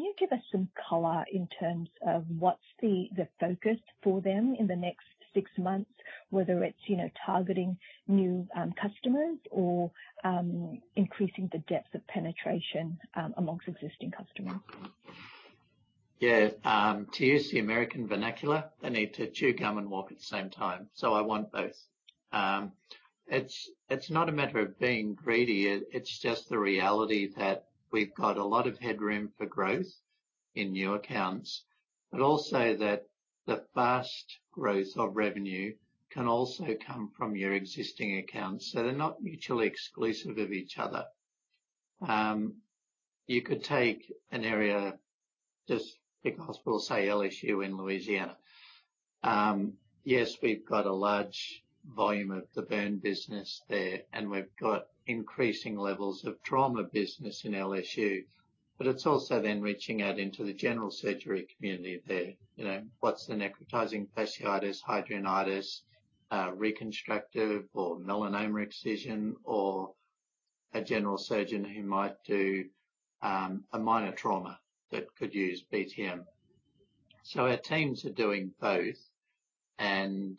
you give us some color in terms of what's the focus for them in the next six months, whether it's targeting new customers or increasing the depth of penetration amongst existing customers? To use the American vernacular, they need to chew gum and walk at the same time. I want both. It's not a matter of being greedy. It's just the reality that we've got a lot of headroom for growth in new accounts, but also that the fast growth of revenue can also come from your existing accounts. They're not mutually exclusive of each other. You could take an area, just pick a hospital, say LSU in Louisiana. Yes, we've got a large volume of the burn business there, and we've got increasing levels of trauma business in LSU, but it's also then reaching out into the general surgery community there. What's the necrotizing fasciitis, hidradenitis, reconstructive or melanoma excision or a general surgeon who might do a minor trauma that could use BTM. Our teams are doing both, and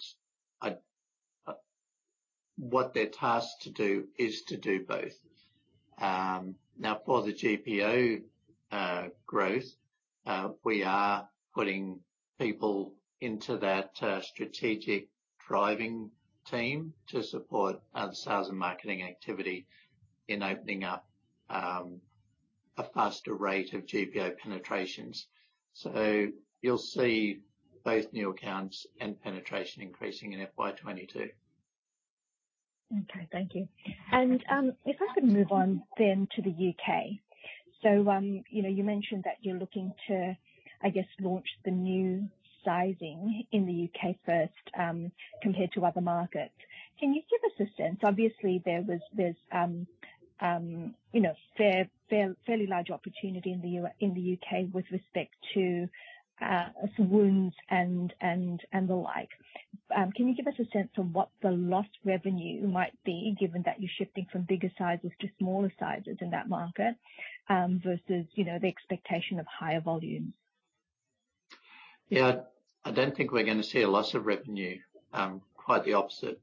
what they're tasked to do is to do both. Now, for the GPO growth, we are putting people into that strategic driving team to support the sales and marketing activity in opening up a faster rate of GPO penetrations. You'll see both new accounts and penetration increasing in FY2022. Okay, thank you. If I could move on then to the U.K. You mentioned that you are looking to, I guess, launch the new sizing in the U.K. first, compared to other markets. Can you give us a sense? Obviously, there's fairly large opportunity in the U.K. with respect to some wounds and the like. Can you give us a sense of what the lost revenue might be, given that you are shifting from bigger sizes to smaller sizes in that market, versus the expectation of higher volumes? Yeah. I don't think we're going to see a loss of revenue. Quite the opposite.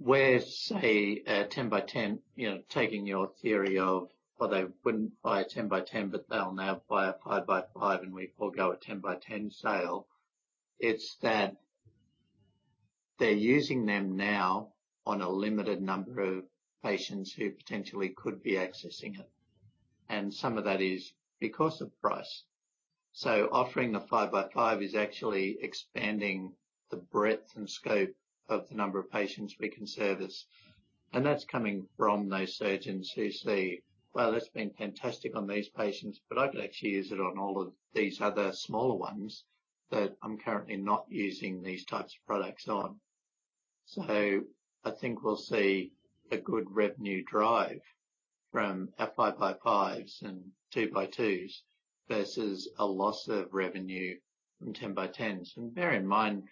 Where, say, a 10 by 10, taking your theory of, well, they wouldn't buy a 10 by 10, but they'll now buy a 5 by 5, and we forego a 10 by 10 sale. It's that they're using them now on a limited number of patients who potentially could be accessing it, and some of that is because of price. Offering a 5 by 5 is actually expanding the breadth and scope of the number of patients we can service. That's coming from those surgeons who see, "Well, that's been fantastic on these patients, but I could actually use it on all of these other smaller ones that I'm currently not using these types of products on." I think we'll see a good revenue drive from our 5 by 5s and 2 by 2s versus a loss of revenue from 10 by 10s. Bear in mind,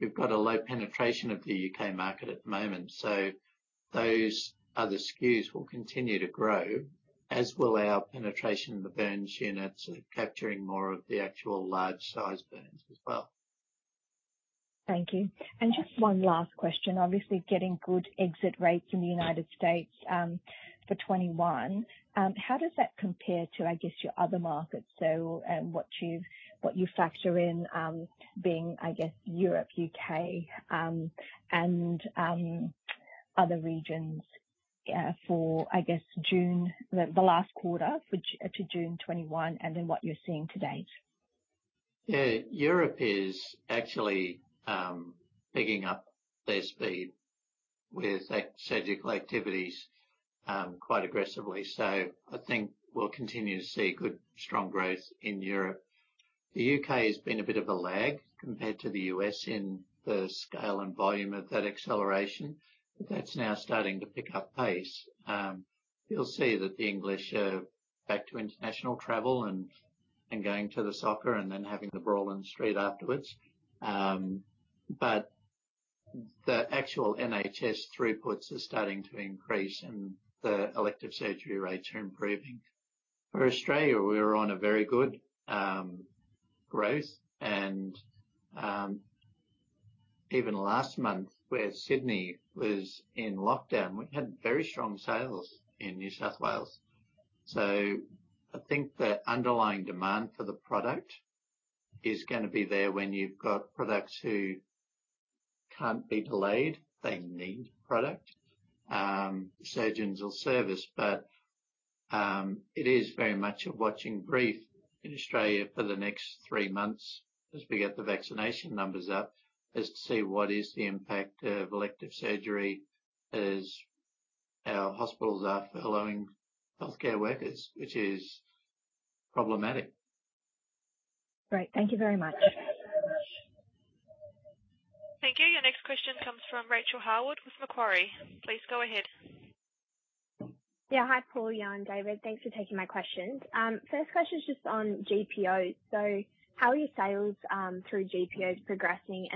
we've got a low penetration of the U.K. market at the moment, so those other SKUs will continue to grow, as will our penetration in the burns units and capturing more of the actual large size burns as well. Thank you. Just one last question. Obviously, getting good exit rates in the U.S. for 2021. How does that compare to, I guess, your other markets? What you factor in being, I guess, Europe, U.K., and other regions for, I guess, June, the last quarter to June 2021, and then what you're seeing to date. Yeah. Europe is actually picking up their speed with surgical activities quite aggressively. I think we'll continue to see good, strong growth in Europe. The U.K. has been a bit of a lag compared to the U.S. in the scale and volume of that acceleration. That's now starting to pick up pace. You'll see that the English are back to international travel and going to the soccer and then having the brawl in the street afterwards. The actual NHS throughputs are starting to increase, and the elective surgery rates are improving. For Australia, we're on a very good growth and even last month, where Sydney was in lockdown, we had very strong sales in New South Wales. I think the underlying demand for the product is going to be there when you've got products who can't be delayed, they need product, surgeons will service. It is very much a watching brief in Australia for the next three months as we get the vaccination numbers up, as to see what is the impact of elective surgery as our hospitals are following healthcare workers, which is problematic. Great. Thank you very much. Thank you. Your next question comes from Rachel Horwood with Macquarie. Please go ahead. Yeah. Hi, Paul, Jan, David. Thanks for taking my questions. First question is just on GPO. How are your sales through GPO progressing?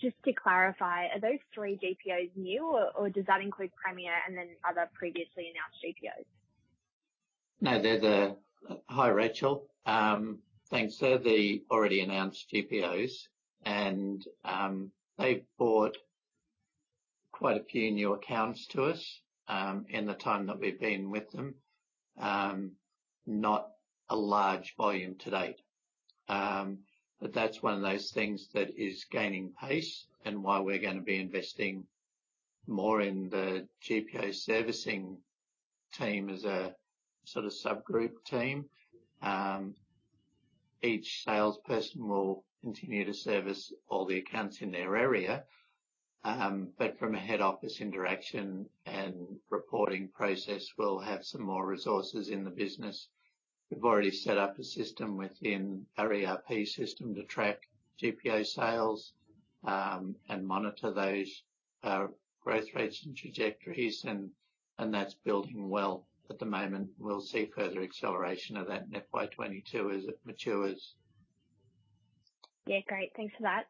Just to clarify, are those three GPOs new, or does that include Premier and then other previously announced GPOs? No, they're the Hi, Rachel. Thanks. They're the already announced GPOs, and they've brought quite a few new accounts to us in the time that we've been with them. Not a large volume to date. That's one of those things that is gaining pace and why we're going to be investing more in the GPO servicing team as a sort of subgroup team. Each salesperson will continue to service all the accounts in their area. From a head office interaction and reporting process, we'll have some more resources in the business. We've already set up a system within our ERP system to track GPO sales, and monitor those growth rates and trajectories, and that's building well at the moment. We'll see further acceleration of that in FY 2022 as it matures. Yeah, great. Thanks for that.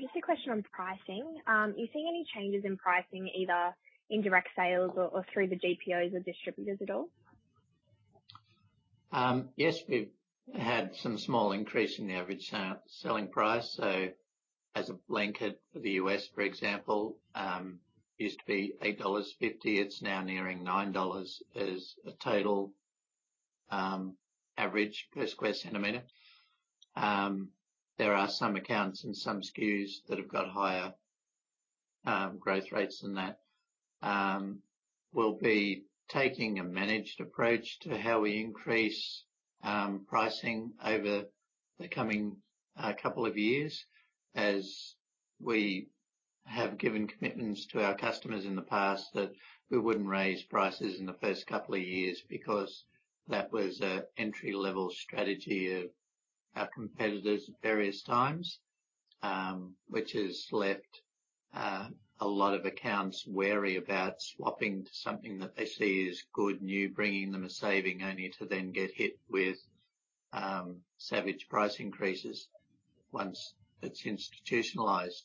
Just a question on pricing. Are you seeing any changes in pricing, either in direct sales or through the GPOs or distributors at all? Yes. We've had some small increase in the average selling price. As a blanket for the U.S., for example, used to be $8.50, it's now nearing $9 as a total average per square centimeter. There are some accounts and some SKUs that have got higher growth rates than that. We'll be taking a managed approach to how we increase pricing over the coming couple of years, as we have given commitments to our customers in the past that we wouldn't raise prices in the first couple of years, because that was an entry-level strategy of our competitors at various times, which has left a lot of accounts wary about swapping to something that they see as good and you bringing them a saving, only to then get hit with savage price increases once it's institutionalized.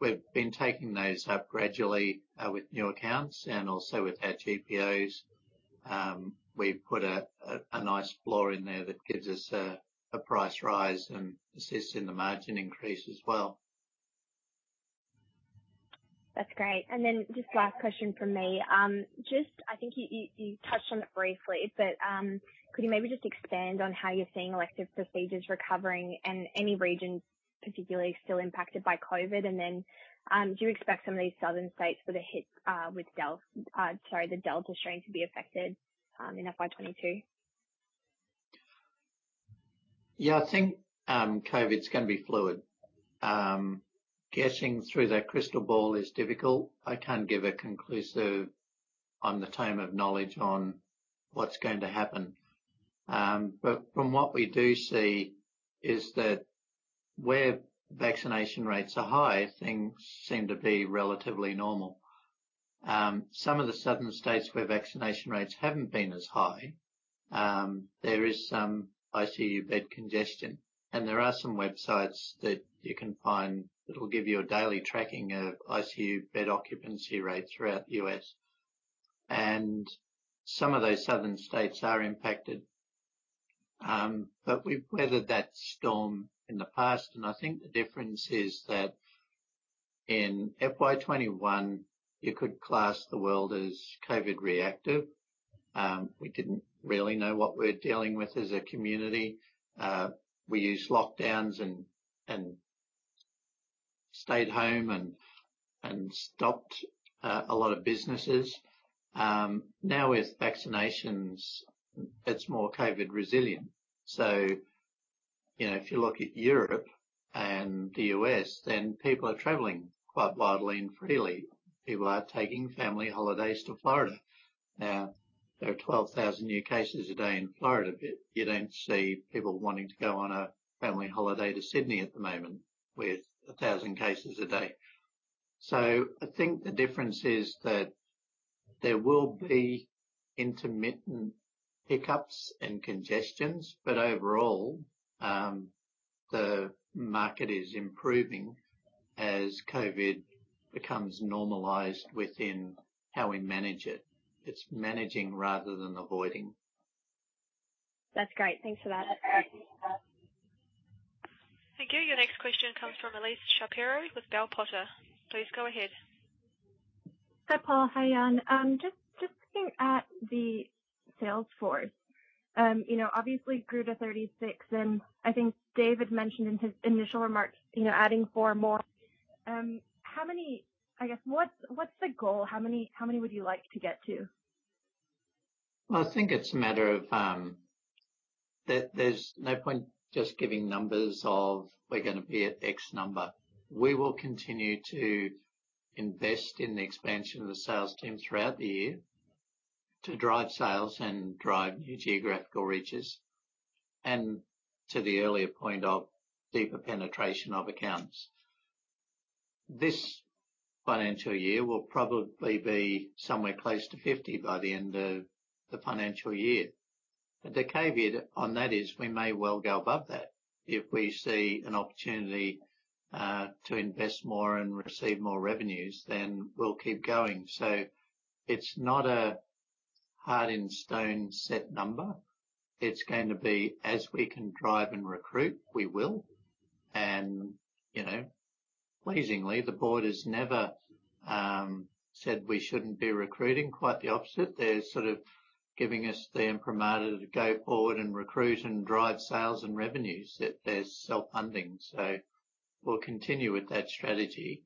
We've been taking those up gradually with new accounts and also with our GPOs. We've put a nice floor in there that gives us a price rise and assists in the margin increase as well. That's great. Just last question from me. I think you touched on it briefly, but could you maybe just expand on how you're seeing elective procedures recovering and any regions particularly still impacted by COVID? Do you expect some of these southern states with the Delta strain to be affected in FY2022? Yeah. I think COVID's going to be fluid. Guessing through that crystal ball is difficult. I can't give a conclusive on the time of knowledge on what's going to happen. From what we do see is that where vaccination rates are high, things seem to be relatively normal. Some of the southern states where vaccination rates haven't been as high, there is some ICU bed congestion, and there are some websites that you can find that'll give you a daily tracking of ICU bed occupancy rates throughout the U.S. Some of those southern states are impacted. We've weathered that storm in the past, and I think the difference is that in FY 2021, you could class the world as COVID reactive. We didn't really know what we're dealing with as a community. We used lockdowns and stayed home and stopped a lot of businesses. With vaccinations, it's more COVID resilient. If you look at Europe and the U.S., people are traveling quite widely and freely. People are taking family holidays to Florida. There are 12,000 new cases a day in Florida, you don't see people wanting to go on a family holiday to Sydney at the moment with 1,000 cases a day. I think the difference is that there will be intermittent hiccups and congestions, overall, the market is improving as COVID becomes normalized within how we manage it. It's managing rather than avoiding. That's great. Thanks for that. Thank you. Your next question comes from Elyse Shapiro with Bell Potter. Please go ahead. Hi, Paul. Hi, Jan. Just looking at the sales force. Obviously grew to 36, I think David mentioned in his initial remarks, adding four more. I guess what's the goal? How many would you like to get to? Well, I think it's a matter of there's no point just giving numbers of we're going to be at X number. We will continue to invest in the expansion of the sales team throughout the year to drive sales and drive new geographical reaches, and to the earlier point of deeper penetration of accounts. This financial year will probably be somewhere close to 50 by the end of the financial year. The caveat on that is we may well go above that. If we see an opportunity to invest more and receive more revenues, we'll keep going. It's not a hard in stone set number. It's going to be as we can drive and recruit, we will. Pleasingly, the board has never said we shouldn't be recruiting. Quite the opposite. They're sort of giving us the imprimatur to go forward and recruit and drive sales and revenues that there's self-funding. We'll continue with that strategy.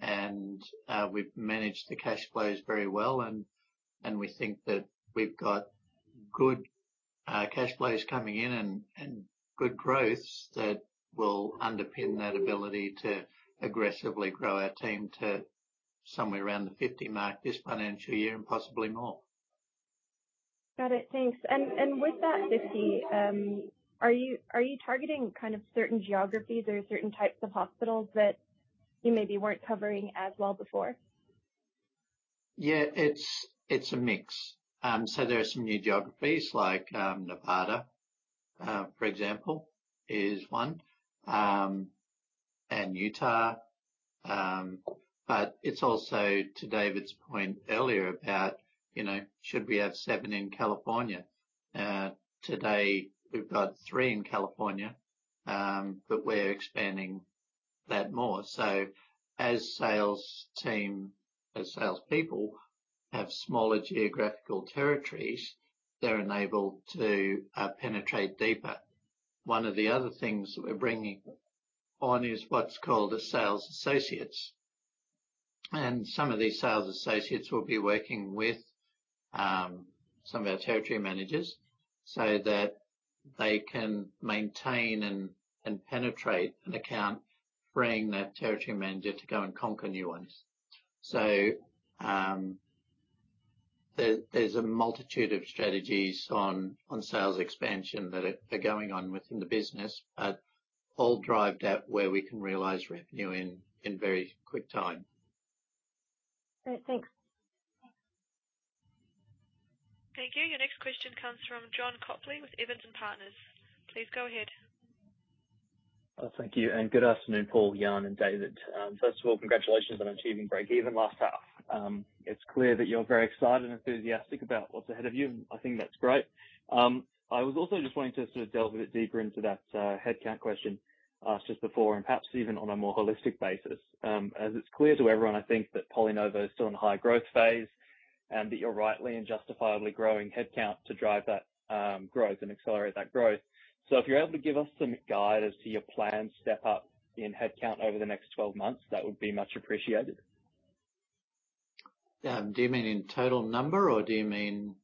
We've managed the cash flows very well, and we think that we've got good cash flows coming in and good growths that will underpin that ability to aggressively grow our team to somewhere around the 50 mark this financial year and possibly more. Got it. Thanks. With that 50, are you targeting kind of certain geographies or certain types of hospitals that you maybe weren't covering as well before? Yeah, it's a mix. There are some new geographies, like Nevada, for example, is one, and Utah. It's also to David's point earlier about should we have seven in California? Today, we've got three in California, but we're expanding that more. As salespeople have smaller geographical territories, they're enabled to penetrate deeper. One of the other things that we're bringing on is what's called the sales associates. Some of these sales associates will be working with some of our territory managers so that they can maintain and penetrate an account, freeing that territory manager to go and conquer new ones. There's a multitude of strategies on sales expansion that are going on within the business, but all drived at where we can realize revenue in very quick time. Great. Thanks. Thank you. Your next question comes from John Copley with Evans and Partners. Please go ahead. Thank you. Good afternoon, Paul, Jan, and David. First of all, congratulations on achieving break even last half. It's clear that you're very excited and enthusiastic about what's ahead of you. I think that's great. I was also just wanting to sort of delve a bit deeper into that headcount question asked just before. Perhaps even on a more holistic basis. It's clear to everyone, I think, that PolyNovo is still in a high-growth phase, that you're rightly and justifiably growing headcount to drive that growth and accelerate that growth. If you're able to give us some guide as to your planned step-up in headcount over the next 12 months, that would be much appreciated. Do you mean in total number, or do you mean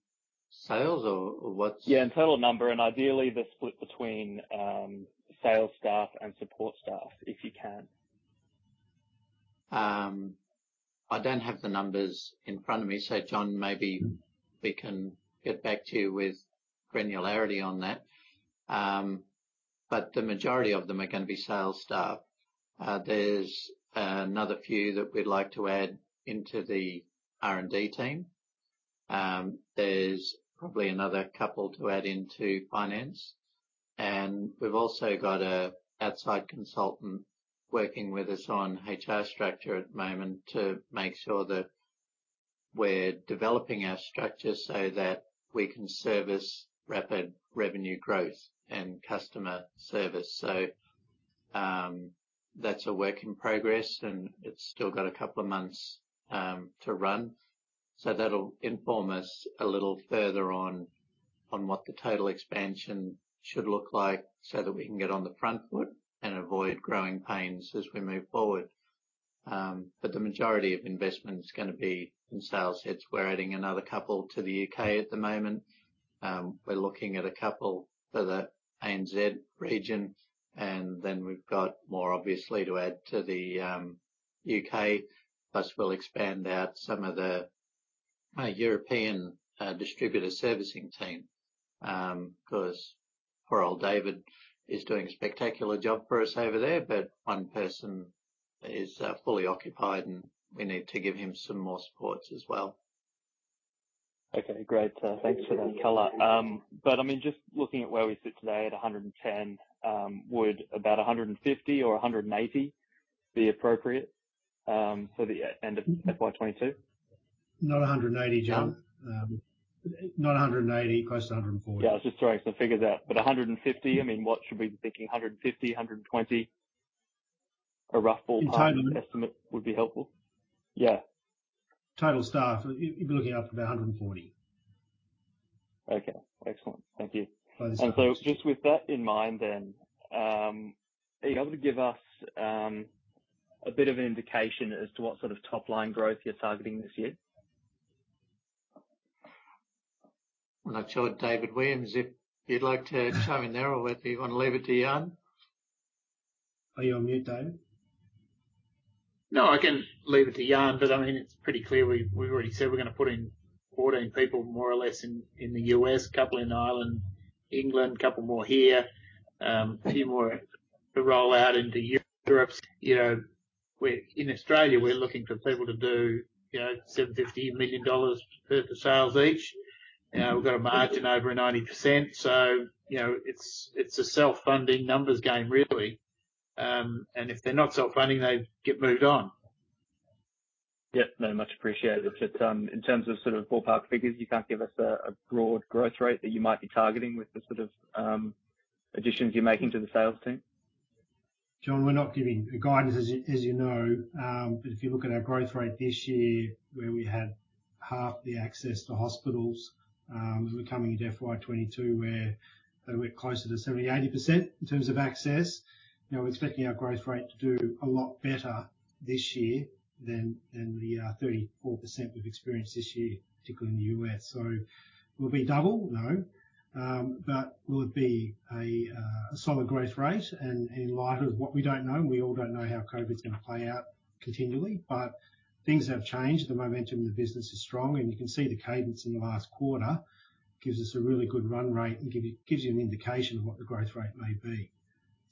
sales? Yeah, in total number, and ideally, the split between sales staff and support staff, if you can. I don't have the numbers in front of me, John, maybe we can get back to you with granularity on that. The majority of them are going to be sales staff. There's another few that we'd like to add into the R&D team. There's probably another couple to add into finance. We've also got an outside consultant working with us on HR structure at the moment to make sure that we're developing our structure so that we can service rapid revenue growth and customer service. That's a work in progress, and it's still got a couple of months to run. That'll inform us a little further on what the total expansion should look like so that we can get on the front foot and avoid growing pains as we move forward. The majority of investment is going to be in sales heads. We're adding another couple to the U.K. at the moment. We're looking at a couple for the ANZ region. We've got more obviously to add to the U.K., plus we'll expand out some of the European distributor servicing team. Poor old David is doing a spectacular job for us over there, but one person is fully occupied, and we need to give him some more supports as well. Okay, great. Thanks for that color. Just looking at where we sit today at 110, would about 150 or 180 be appropriate for the end of FY 2022? Not 180, John. Not 180, close to 140. Yeah, I was just throwing some figures out. 150, what should we be thinking? 150, 120? A rough ballpark? In total? Estimate would be helpful. Yeah. Total staff, you'll be looking up to about 140. Okay, excellent. Thank you. Please. Just with that in mind, are you able to give us a bit of an indication as to what sort of top-line growth you are targeting this year? I'm not sure, David Williams, if you'd like to chime in there or whether you want to leave it to Jan? Are you on mute, David? No, I can leave it to Jan. It's pretty clear, we've already said we're going to put in 14 people, more or less, in the U.S., two in Ireland, England, two more here. A few more to roll out into Europe. In Australia, we're looking for people to do 750 million dollars worth of sales each. We've got a margin over 90%, so it's a self-funding numbers game, really. If they're not self-funding, they get moved on. Yeah. No, much appreciated. In terms of sort of ballpark figures, you can't give us a broad growth rate that you might be targeting with the sort of additions you're making to the sales team? John, we're not giving guidance, as you know. If you look at our growth rate this year, where we had half the access to hospitals, we're coming into FY2022 where we're closer to 70%, 80% in terms of access. We're expecting our growth rate to do a lot better this year than the 34% we've experienced this year, particularly in the U.S. Will it be double? No. Will it be a solid growth rate? In light of what we don't know, we all don't know how COVID's going to play out continually. Things have changed. The momentum of the business is strong, and you can see the cadence in the last quarter gives us a really good run rate and gives you an indication of what the growth rate may be.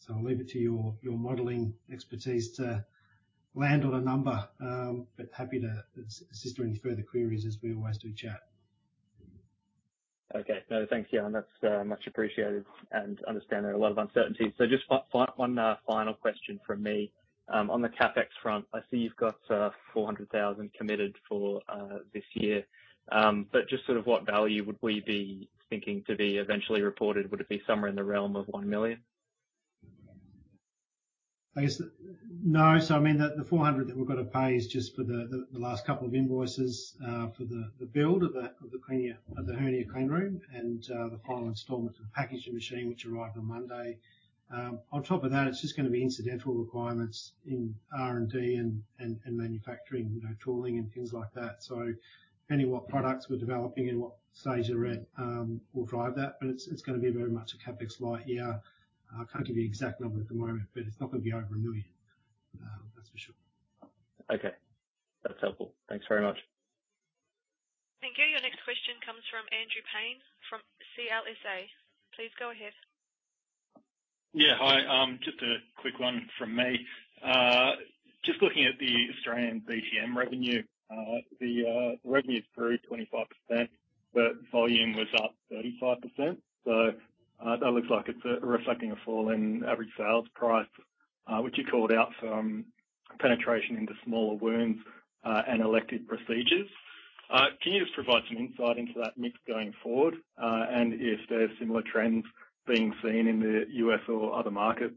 I'll leave it to your modeling expertise to land on a number, but happy to assist with any further queries as we always do, Chad. Okay. No, thanks, Ian. That's much appreciated and understand there are a lot of uncertainties. Just one final question from me. On the CapEx front, I see you've got 400,000 committed for this year. Just sort of what value would we be thinking to be eventually reported? Would it be somewhere in the realm of 1 million? I guess, no. I mean, the 400 that we've got to pay is just for the last couple of invoices for the build of the hernia cleanroom and the final installment of the packaging machine, which arrived on Monday. On top of that, it's just going to be incidental requirements in R&D and manufacturing, tooling, and things like that. Depending on what products we're developing and what stage they're at will drive that, but it's going to be very much a CapEx light year. I can't give you an exact number at the moment, but it's not going to be over 1 million. That's for sure. Okay. That's helpful. Thanks very much. Thank you. Your next question comes from Andrew Paine from CLSA. Please go ahead. Yeah. Hi. Just a quick one from me. Just looking at the Australian BTM revenue. The revenue is through 25%, volume was up 35%. That looks like it's reflecting a fall in average sales price, which you called out from penetration into smaller wounds and elective procedures. Can you just provide some insight into that mix going forward? If there's similar trends being seen in the U.S. or other markets?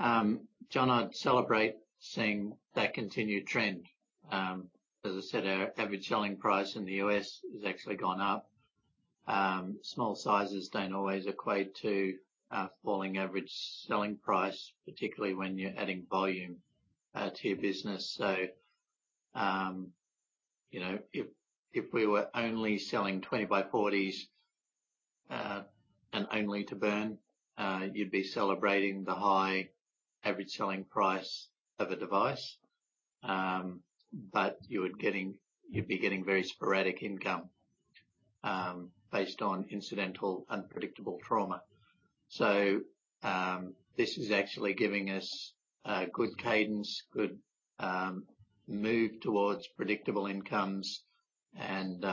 John, I'd celebrate seeing that continued trend. As I said, our average selling price in the U.S. has actually gone up. Small sizes don't always equate to a falling average selling price, particularly when you're adding volume to your business. If we were only selling 20-by-40s and only to burn, you'd be celebrating the high average selling price of a device. You'd be getting very sporadic income based on incidental, unpredictable trauma. This is actually giving us a good cadence, good move towards predictable incomes, and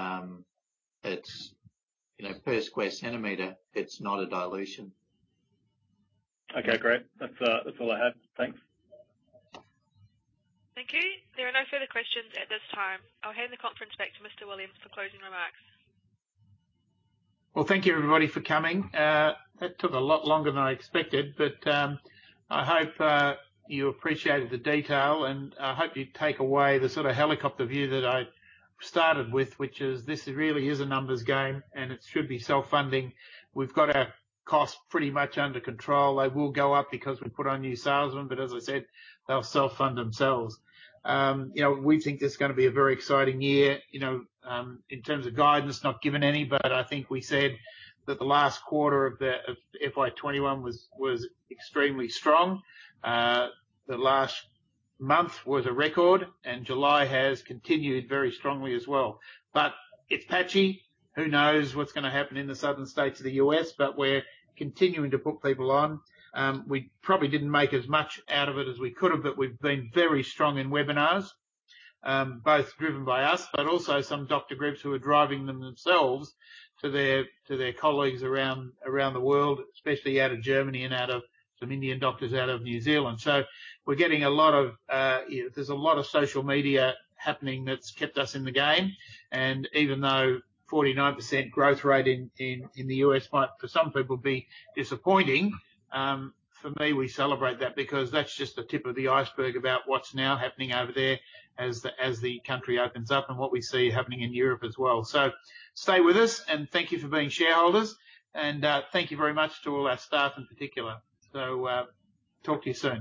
per square centimeter, it's not a dilution. Okay, great. That's all I have. Thanks. Thank you. There are no further questions at this time. I'll hand the conference back to Mr. Williams for closing remarks. Well, thank you, everybody, for coming. That took a lot longer than I expected. I hope you appreciated the detail, and I hope you take away the sort of helicopter view that I started with, which is this really is a numbers game, and it should be self-funding. We've got our costs pretty much under control. They will go up because we put on new salesmen. As I said, they'll self-fund themselves. We think this is going to be a very exciting year. In terms of guidance, not given any. I think we said that the last quarter of FY 2021 was extremely strong. The last month was a record. July has continued very strongly as well. It's patchy. Who knows what's going to happen in the southern states of the U.S.? We're continuing to put people on. We probably didn't make as much out of it as we could have, but we've been very strong in webinars, both driven by us, but also some doctor groups who are driving them themselves to their colleagues around the world, especially out of Germany and some Indian doctors out of New Zealand. There's a lot of social media happening that's kept us in the game, and even though 49% growth rate in the U.S. might, for some people, be disappointing, for me, we celebrate that because that's just the tip of the iceberg about what's now happening over there as the country opens up and what we see happening in Europe as well. Stay with us, and thank you for being shareholders. Thank you very much to all our staff in particular. Talk to you soon.